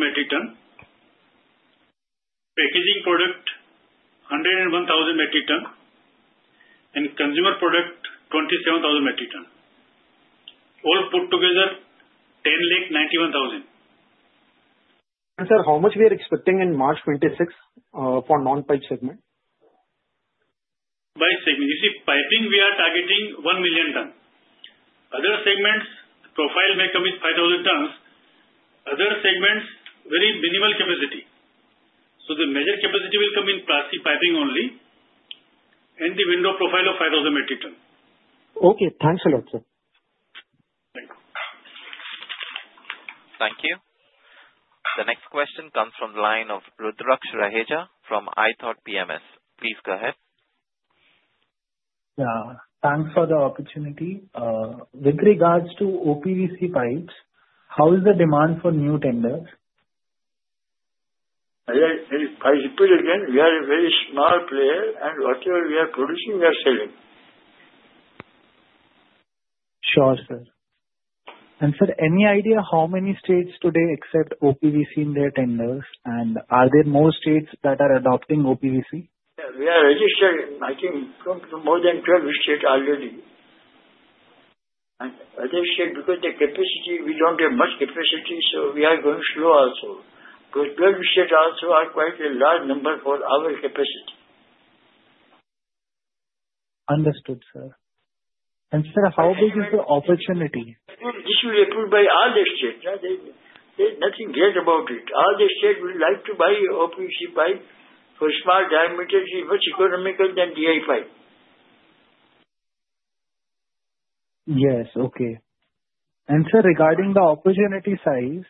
metric tons. Packaging product, 101,000 metric tons. And consumer product, 27,000 metric tons. All put together, 1,091,000.
And, sir, how much we are expecting in March 2026 for non-pipe segment?
By segment. You see, piping, we are targeting 1 million tons. Other segments, profile may come with 5,000 tons. Other segments, very minimal capacity. The major capacity will come in plastic piping only. And the window profile of 5,000 metric tons.
Okay. Thanks a lot, sir.
Thank you. The next question comes from the line of Rudraksh Rehaja from ithought PMS. Please go ahead.
Thanks for the opportunity. With regards to OPVC pipes, how is the demand for new tenders?
I repeat again, we are a very small player, and whatever we are producing, we are selling.
Sure, sir.
Sir, any idea how many states today accept OPVC in their tenders, and are there more states that are adopting OPVC? We are registered, I think, more than 12 states already. Other states, because the capacity, we do not have much capacity, so we are going slow also. Twelve states also are quite a large number for our capacity.
Understood, sir. Sir, how big is the opportunity?
This will be approved by all the states. There is nothing great about it. All the states will like to buy OPVC pipe for small diameters, which is much more economical than DI pipe.
Yes. Okay. Sir, regarding the opportunity size,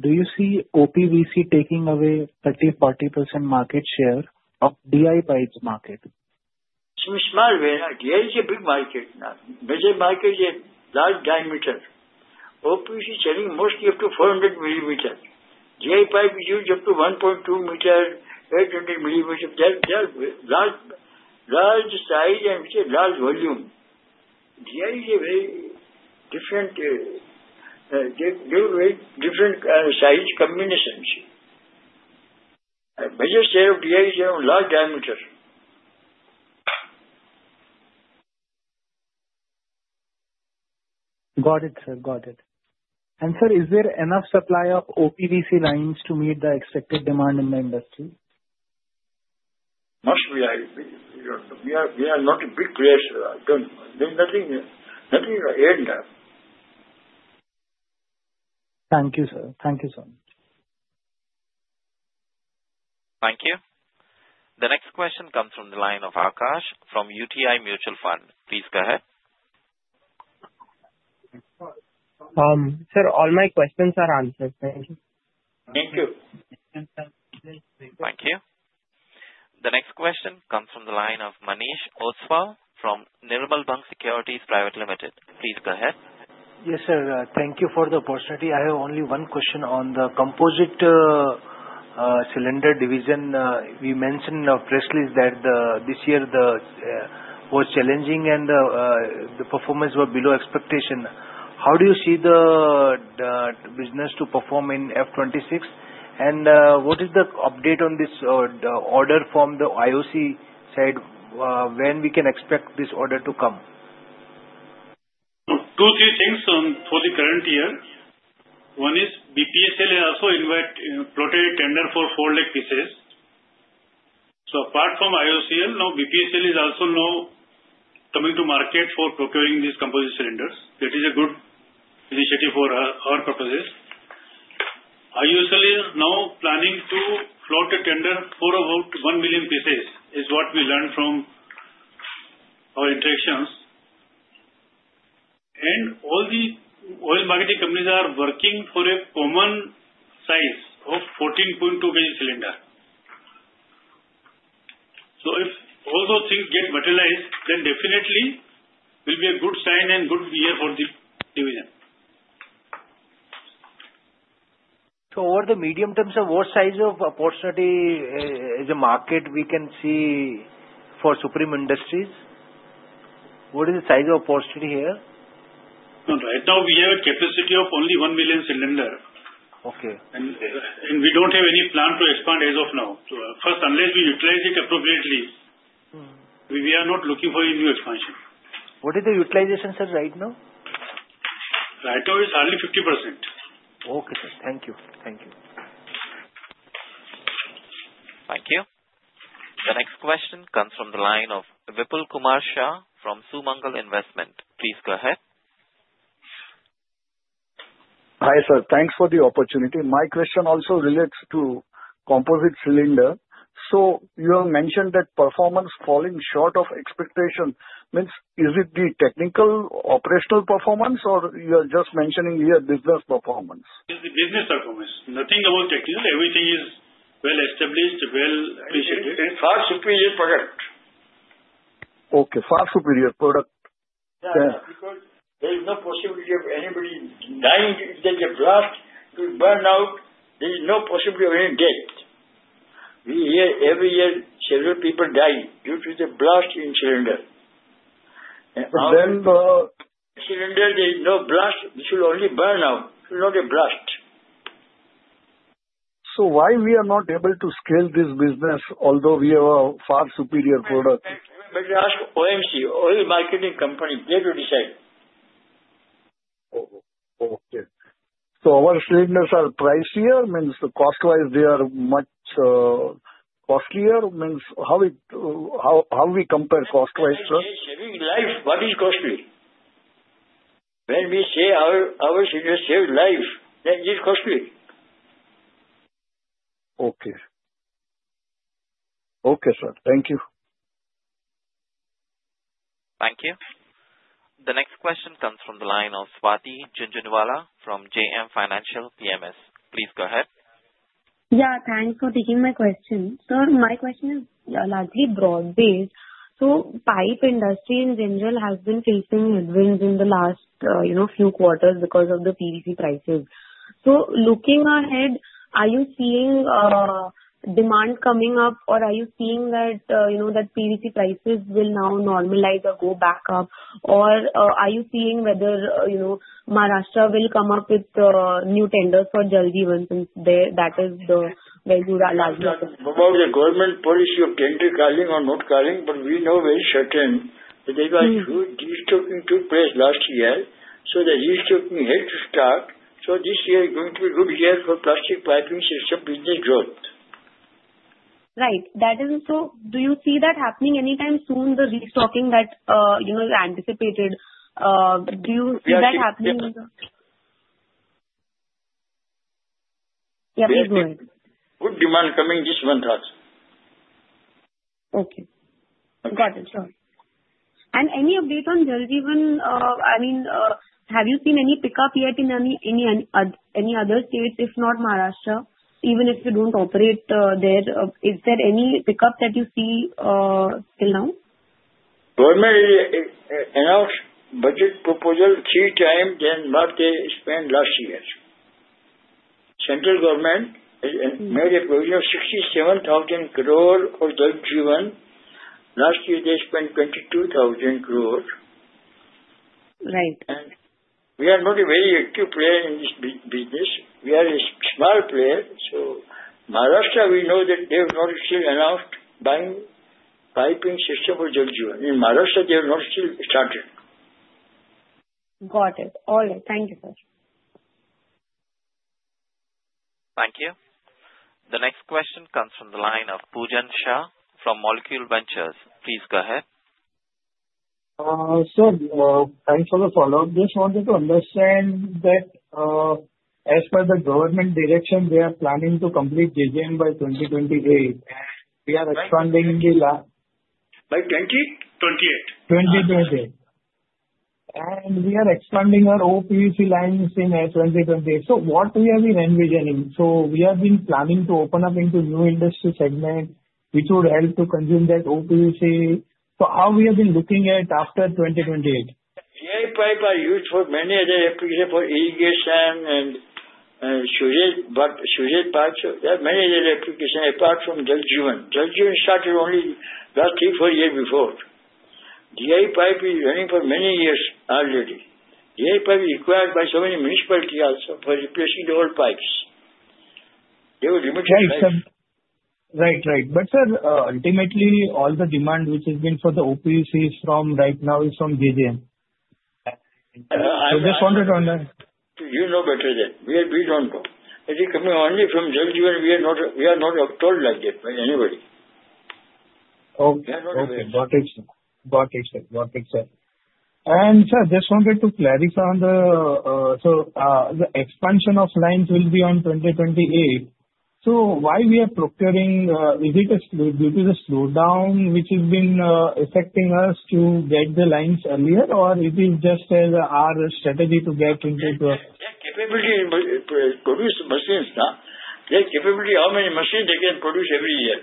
do you see OPVC taking away 30%-40% market share of DI pipes market?
It is a small area. DI is a big market. Major market is a large diameter. OPVC is selling mostly up to 400 mm. DI pipe is used up to 1.2 m, 800 mm. They are large size and with a large volume. DI is a very different, they are very different size combinations. Major share of DI is around large diameters.
Got it, sir. Got it. Sir, is there enough supply of OPVC lines to meet the expected demand in the industry?
Must be. We are not a big player. There is nothing ahead now.
Thank you, sir. Thank you so much.
Thank you. The next question comes from the line of Aakash from UTI Mutual Fund. Please go ahead.
Sir, all my questions are answered.
Thank you. Thank you. Thank you.
The next question comes from the line of Manish Ostwal from Nirmal Bang Securities Private Limited. Please go ahead.
Yes, sir. Thank you for the opportunity. I have only one question on the composite cylinder division. We mentioned in our press release that this year was challenging, and the performance was below expectation. How do you see the business to perform in FY26? What is the update on this order from the IOCL side? When can we expect this order to come?
Two, three things for the current year. One is BPCL has also floated a tender for 400,000 pieces. Apart from IOCL, now BPCL is also coming to market for procuring these composite cylinders. That is a good initiative for our purposes. IOCL is now planning to float a tender for about 1 million pieces, is what we learned from our interactions. All the oil marketing companies are working for a common size of 14.2 kg cylinder. If all those things get materialized, then definitely it will be a good sign and good year for the division.
Over the medium term, sir, what size of opportunity is the market we can see for Supreme Industries? What is the size of opportunity here?
Right now, we have a capacity of only 1 million cylinder. We do not have any plan to expand as of now. First, unless we utilize it appropriately, we are not looking for any new expansion.
What is the utilization, sir, right now?
Right now, it is hardly 50%.
Okay, sir. Thank you. Thank you.
Thank you. The next question comes from the line of Vipulkumar Shah from Sumangal Investment. Please go ahead.
Hi, sir. Thanks for the opportunity. My question also relates to composite cylinder. You have mentioned that performance falling short of expectation. Is it the technical operational performance, or you are just mentioning here business performance?
It is the business performance. Nothing about technical. Everything is well established, well appreciated. It's far superior product.
Okay. Far superior product.
Yeah. Because there is no possibility of anybody dying in such a blast to burn out. There is no possibility of any death. Every year, several people die due to the blast in cylinder. Cylinder, there is no blast. It should only burn out. It should not be blast.
Why we are not able to scale this business, although we have a far superior product?
You better ask OMC, Oil Marketing Company. They have to decide.
Okay. Our cylinders are pricier, means cost-wise they are much costlier, means how we compare cost-wise, sir?
If we say saving life, what is costly? When we say our cylinder saved life, then it is costly.
Okay. Okay, sir. Thank you.
Thank you. The next question comes from the line of Swati Jhunjhunwala from JM Financial PMS. Please go ahead.
Yeah. Thanks for taking my question. Sir, my question is largely broad-based. Pipe industry in general has been facing headwinds in the last few quarters because of the PVC prices. Looking ahead, are you seeing demand coming up, or are you seeing that PVC prices will now normalize or go back up, or are you seeing whether Maharashtra will come up with new tenders for Jal Jeevan since that is the very large market?
About the government policy, of Kent is calling or not calling, but we know very certain that they will be stopping two press last year. The deal stopping here to start. This year is going to be a good year for plastic piping system business growth.
Right. Do you see that happening anytime soon, the restocking that you anticipated? Do you see that happening?
Yes, sir. Please go ahead. Good demand coming this month,
sir. Okay. Got it. Any update on Jal Jeevan? I mean, have you seen any pickup yet in any other states, if not Maharashtra, even if you do not operate there? Is there any pickup that you see till now?
Government announced budget proposal three times than what they spent last year. Central government made a provision of 67,000 crore for Jal Jeevan. Last year, they spent 22,000 crore. We are not a very active player in this business. We are a small player. Maharashtra, we know that they have not still announced buying piping system for Jal Jeevan. In Maharashtra, they have not still started.
Got it. All right. Thank you, sir.
Thank you. The next question comes from the line of Pujan Shah from Molecule Ventures. Please go ahead.
Sir, thanks for the follow-up. Just wanted to understand that as per the government direction, they are planning to complete JGM by 2028, and we are expanding the.
By 2028?
2028. We are expanding our OPVC lines in 2028. What we have been envisioning? We have been planning to open up into new industry segment, which would help to consume that OPVC. How we have been looking at after 2028?
DI pipe are used for many other applications for irrigation and sujet parts. There are many other applications apart from Jal Jeevan. Jal Jeevan started only last three, four years before. DI pipe is running for many years already. DI pipe is required by so many municipalities also for replacing the old pipes. They will limit the pipes.
Right, right. But sir, ultimately, all the demand which has been for the OPVC from right now is from JGM.
I just wanted to understand. You know better than we don't know. It is coming only from Jalgi even. We are not told like that by anybody.
Okay. Got it, sir. Got it, sir. Got it, sir. Sir, just wanted to clarify on the expansion of lines will be on 2028. Why we are procuring, is it due to the slowdown which has been affecting us to get the lines earlier, or it is just our strategy to get into the
capability in producing machines, sir. Their capability, how many machines they can produce every year.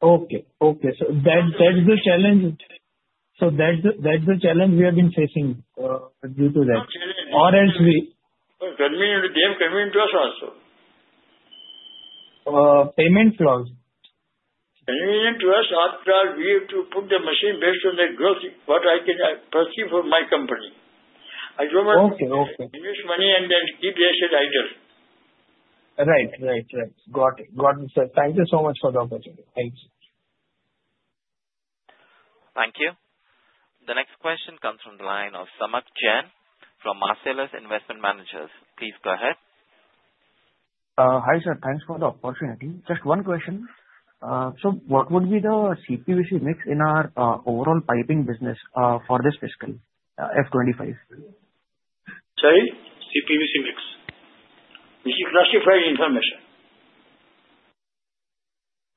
Okay. That is the challenge. That is the challenge we have been facing due to that. Or else we.
Convenient to them, convenient to us also.
Payment clause.
Convenient to us after we have to put the machine based on the growth, what I can perceive for my company. I do not want to invest money and then keep their share idle.
Right, right, right. Got it, got it, sir. Thank you so much for the opportunity. Thank you.
Thank you. The next question comes from the line of Samath Chen from Marcellus Investment Managers. Please go ahead.
Hi, sir. Thanks for the opportunity. Just one question. What would be the CPVC mix in our overall piping business for this fiscal F25? Sorry? CPVC mix?
This is classified information.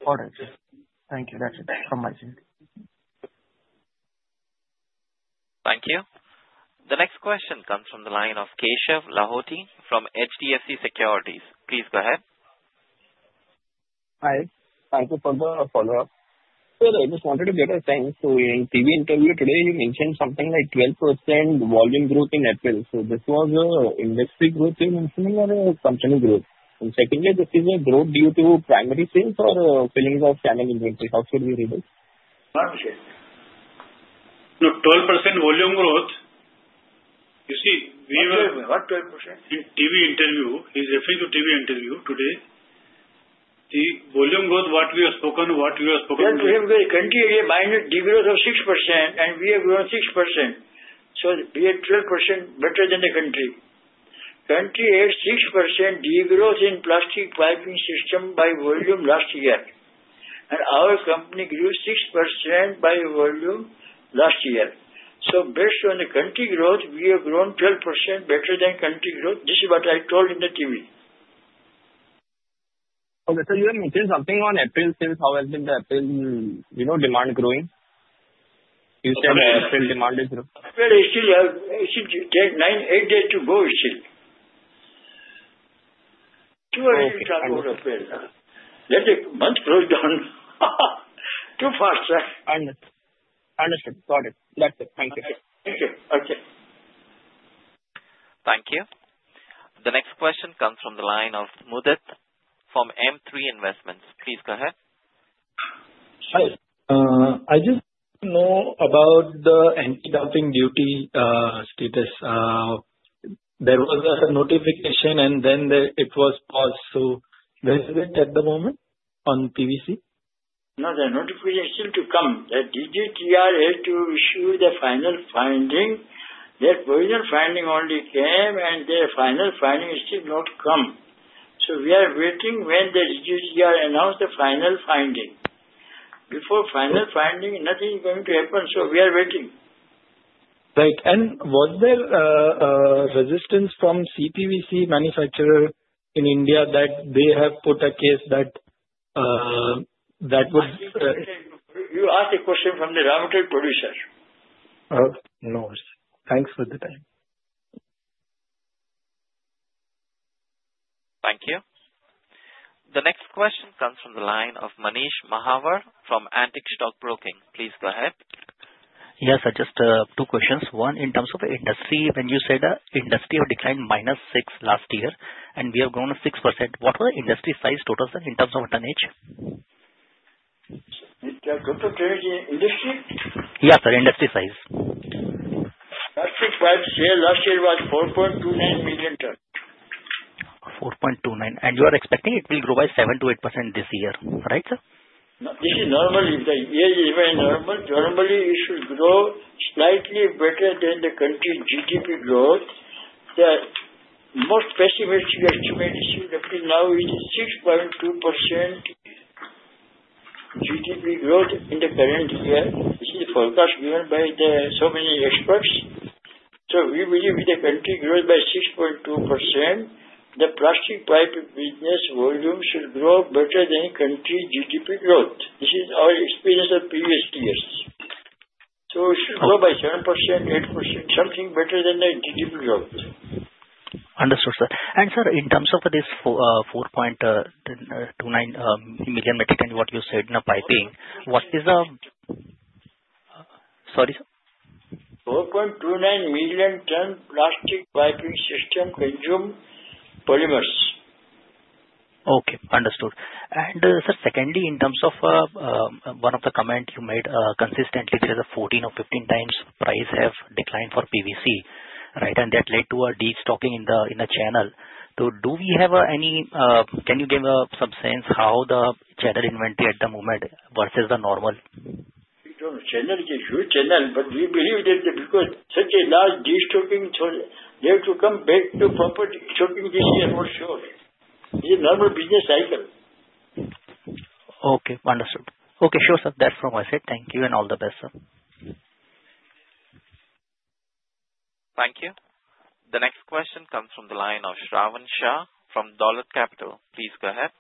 All right. Thank you. That is it from my side.
Thank you. The next question comes from the line of Keshav Lahoti from HDFC Securities. Please go ahead.
Hi. Thank you for the follow-up. Sir, I just wanted to get a sense. In TV interview today, you mentioned something like 12% volume growth in April. This was an industry growth you are mentioning or a company growth? Secondly, this is a growth due to primary sales or filling of channel inventory? How should we read it?
Not sure. No, 12% volume growth. You see, we have.
What 12%?
In TV interview, he is referring to TV interview today. The volume growth, what we have spoken, what we have spoken.
The country is buying the degrowth of 6%, and we have grown 6%. We are 12% better than the country. The country had 6% degrowth in plastic piping system by volume last year. Our company grew 6% by volume last year. Based on the country growth, we have grown 12% better than country growth. This is what I told in the TV.
Okay. You have mentioned something on April sales. How has the April demand been growing? You said April demand is growing.
April is still nine, eight days to go still. Two or eight hours of April. Let the month close down too fast, sir.
Understood. Understood. Got it. That's it. Thank you. Thank you. Okay.
Thank you. The next question comes from the line of Mudit from M3 Investments. Please go ahead.
Hi. I just know about the anti-dumping duty status. There was a notification, and then it was paused. Is there any update at the moment on PVC?
No, the notification is still to come. The DGTR has to issue the final finding. That original finding only came, and the final finding is still not come. We are waiting for when the DGTR announces the final finding. Before final finding, nothing is going to happen. We are waiting.
Right. Was there resistance from CPVC manufacturer in India that they have put a case that would.
You asked a question from the raw material producers.
No. Thanks for the time.
Thank you. The next question comes from the line of Manish Mahawar from Antique Stock Broking. Please go ahead.
Yes, sir. Just two questions. One, in terms of industry, when you said industry declined minus 6 last year and we have grown 6%, what was the industry size total in terms of tonnage?
You talked of industry?
Yes, sir. Industry size.
Plastic pipes sale last year was 4.29 million tons. 4.29 milionYou are expecting it will grow by 7%-8% this year. Right, sir? This is normal. If the year is even normal, normally it should grow slightly better than the country's GDP growth. The most pessimistic estimate is still up to now is 6.2% GDP growth in the current year. This is the forecast given by so many experts. We believe if the country grows by 6.2%, the plastic pipe business volume should grow better than country GDP growth. This is our experience of previous years. It should grow by 7%, 8%, something better than the GDP growth.
Understood, sir. Sir, in terms of this 4.29 million metric ton, what you said in piping, what is the— Sorry, sir?
4.29 million ton plastic piping system consume polymers.
Okay. Understood. Sir, secondly, in terms of one of the comment you made consistently, there is a 14x or 15x price have declined for PVC. Right? That led to a de-stocking in the channel. Do we have any, can you give a sense how the channel inventory is at the moment versus the normal?
We do not know. Channel is a huge channel, but we believe that because such a large de-stocking, they have to come back to proper stocking this year for sure. It is a normal business cycle.
Okay. Understood. Okay. Sure, sir. That is from my side. Thank you and all the best, sir.
Thank you. The next question comes from the line of Shravan Shah from Dolat Capital. Please go ahead.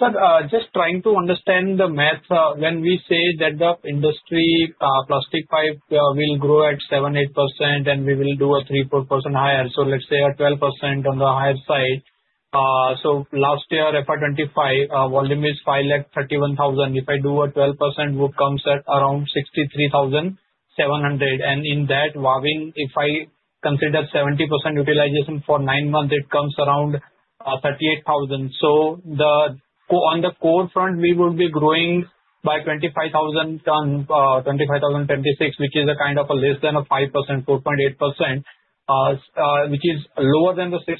Sir, just trying to understand the math. When we say that the industry plastic pipe will grow at 7%-8%, and we will do a 3%-4% higher. Let us say a 12% on the higher side. Last year, FY25 volume is 531,000. If I do a 12%, it comes at around 63,700. In that, if I consider 70% utilization for nine months, it comes around 38,000. On the core front, we would be growing by 25,000 ton, 25,026, which is a kind of less than 5%, 4.8%, which is lower than the 6%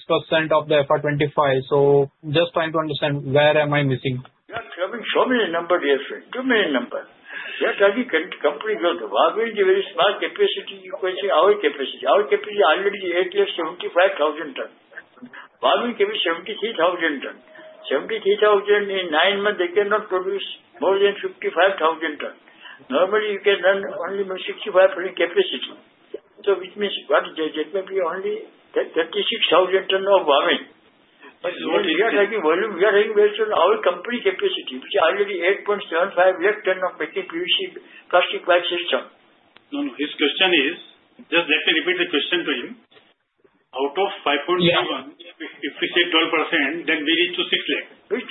of the FY25. I am just trying to understand where am
I missing. You have to come and show me the number, dear friend. Give me the number. You have to argue company growth. The Wavin is a very small capacity. You can see our capacity. Our capacity already at year 75,000 ton. Wavin can be 73,000 ton. 73,000 in nine months, they cannot produce more than 55,000 ton. Normally, you can run only 65% capacity. Which means what? That may be only 36,000 ton of Wavin. We are talking volume. We are talking based on our company capacity, which is already 8.75 lakh ton of making PVC plastic pipe system.
No, no. His question is just let me repeat the question to him. Out of 5.31, if we say 12%, then we need to 6 lakh. Which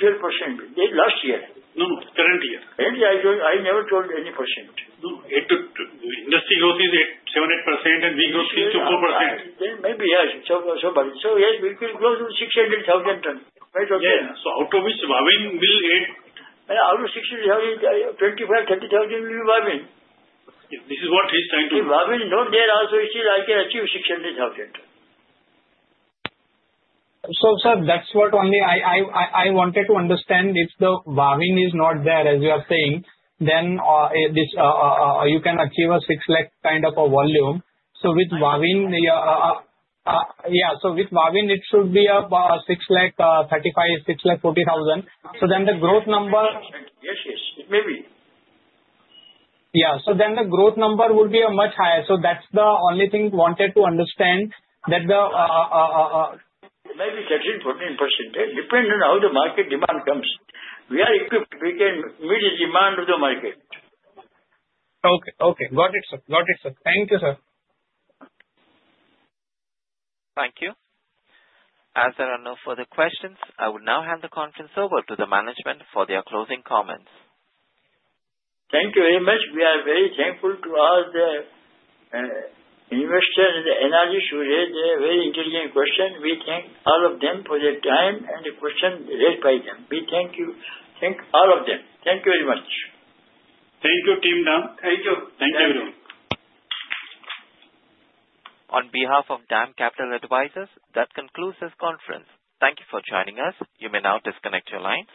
12%?
Last year.
No, no. Current year.
Currently, I never told any percent.
No, no. Industry growth is 7%-8%, and we grow 6%-4%.
Then maybe somebody. Yes, we could grow to 600,000 ton. Right?
Okay. Yeah. Out of which wagon will 8. And out of 600,000, 25-30,000 will be wagon. This is what he's trying to.
Wagon is not there also. It is like I achieve 600,000 ton.
Sir, that's what only I wanted to understand. If the wagon is not there, as you are saying, then you can achieve a 600,000 kind of a volume. With wagon, yeah. With wagon, it should be 635,000, 640,000. The growth number, yes, yes. It may be. Yeah. The growth number would be much higher. That is the only thing wanted to understand.
Maybe 13-14%, depend on how the market demand comes. We are equipped. We can meet the demand of the market.
Okay. Okay. Got it, sir. Got it, sir. Thank you, sir.
Thank you. As there are no further questions, I will now hand the conference over to the management for their closing comments.
Thank you very much. We are very thankful to all the investors and the analysts who raised their very intelligent questions. We thank all of them for their time and the questions raised by them. We thank you. Thank you very much. Thank you, team Dam.
Thank you. Thank you, everyone.
On behalf of Dam Capital Advisors, that concludes this conference. Thank you for joining us. You may now disconnect your line.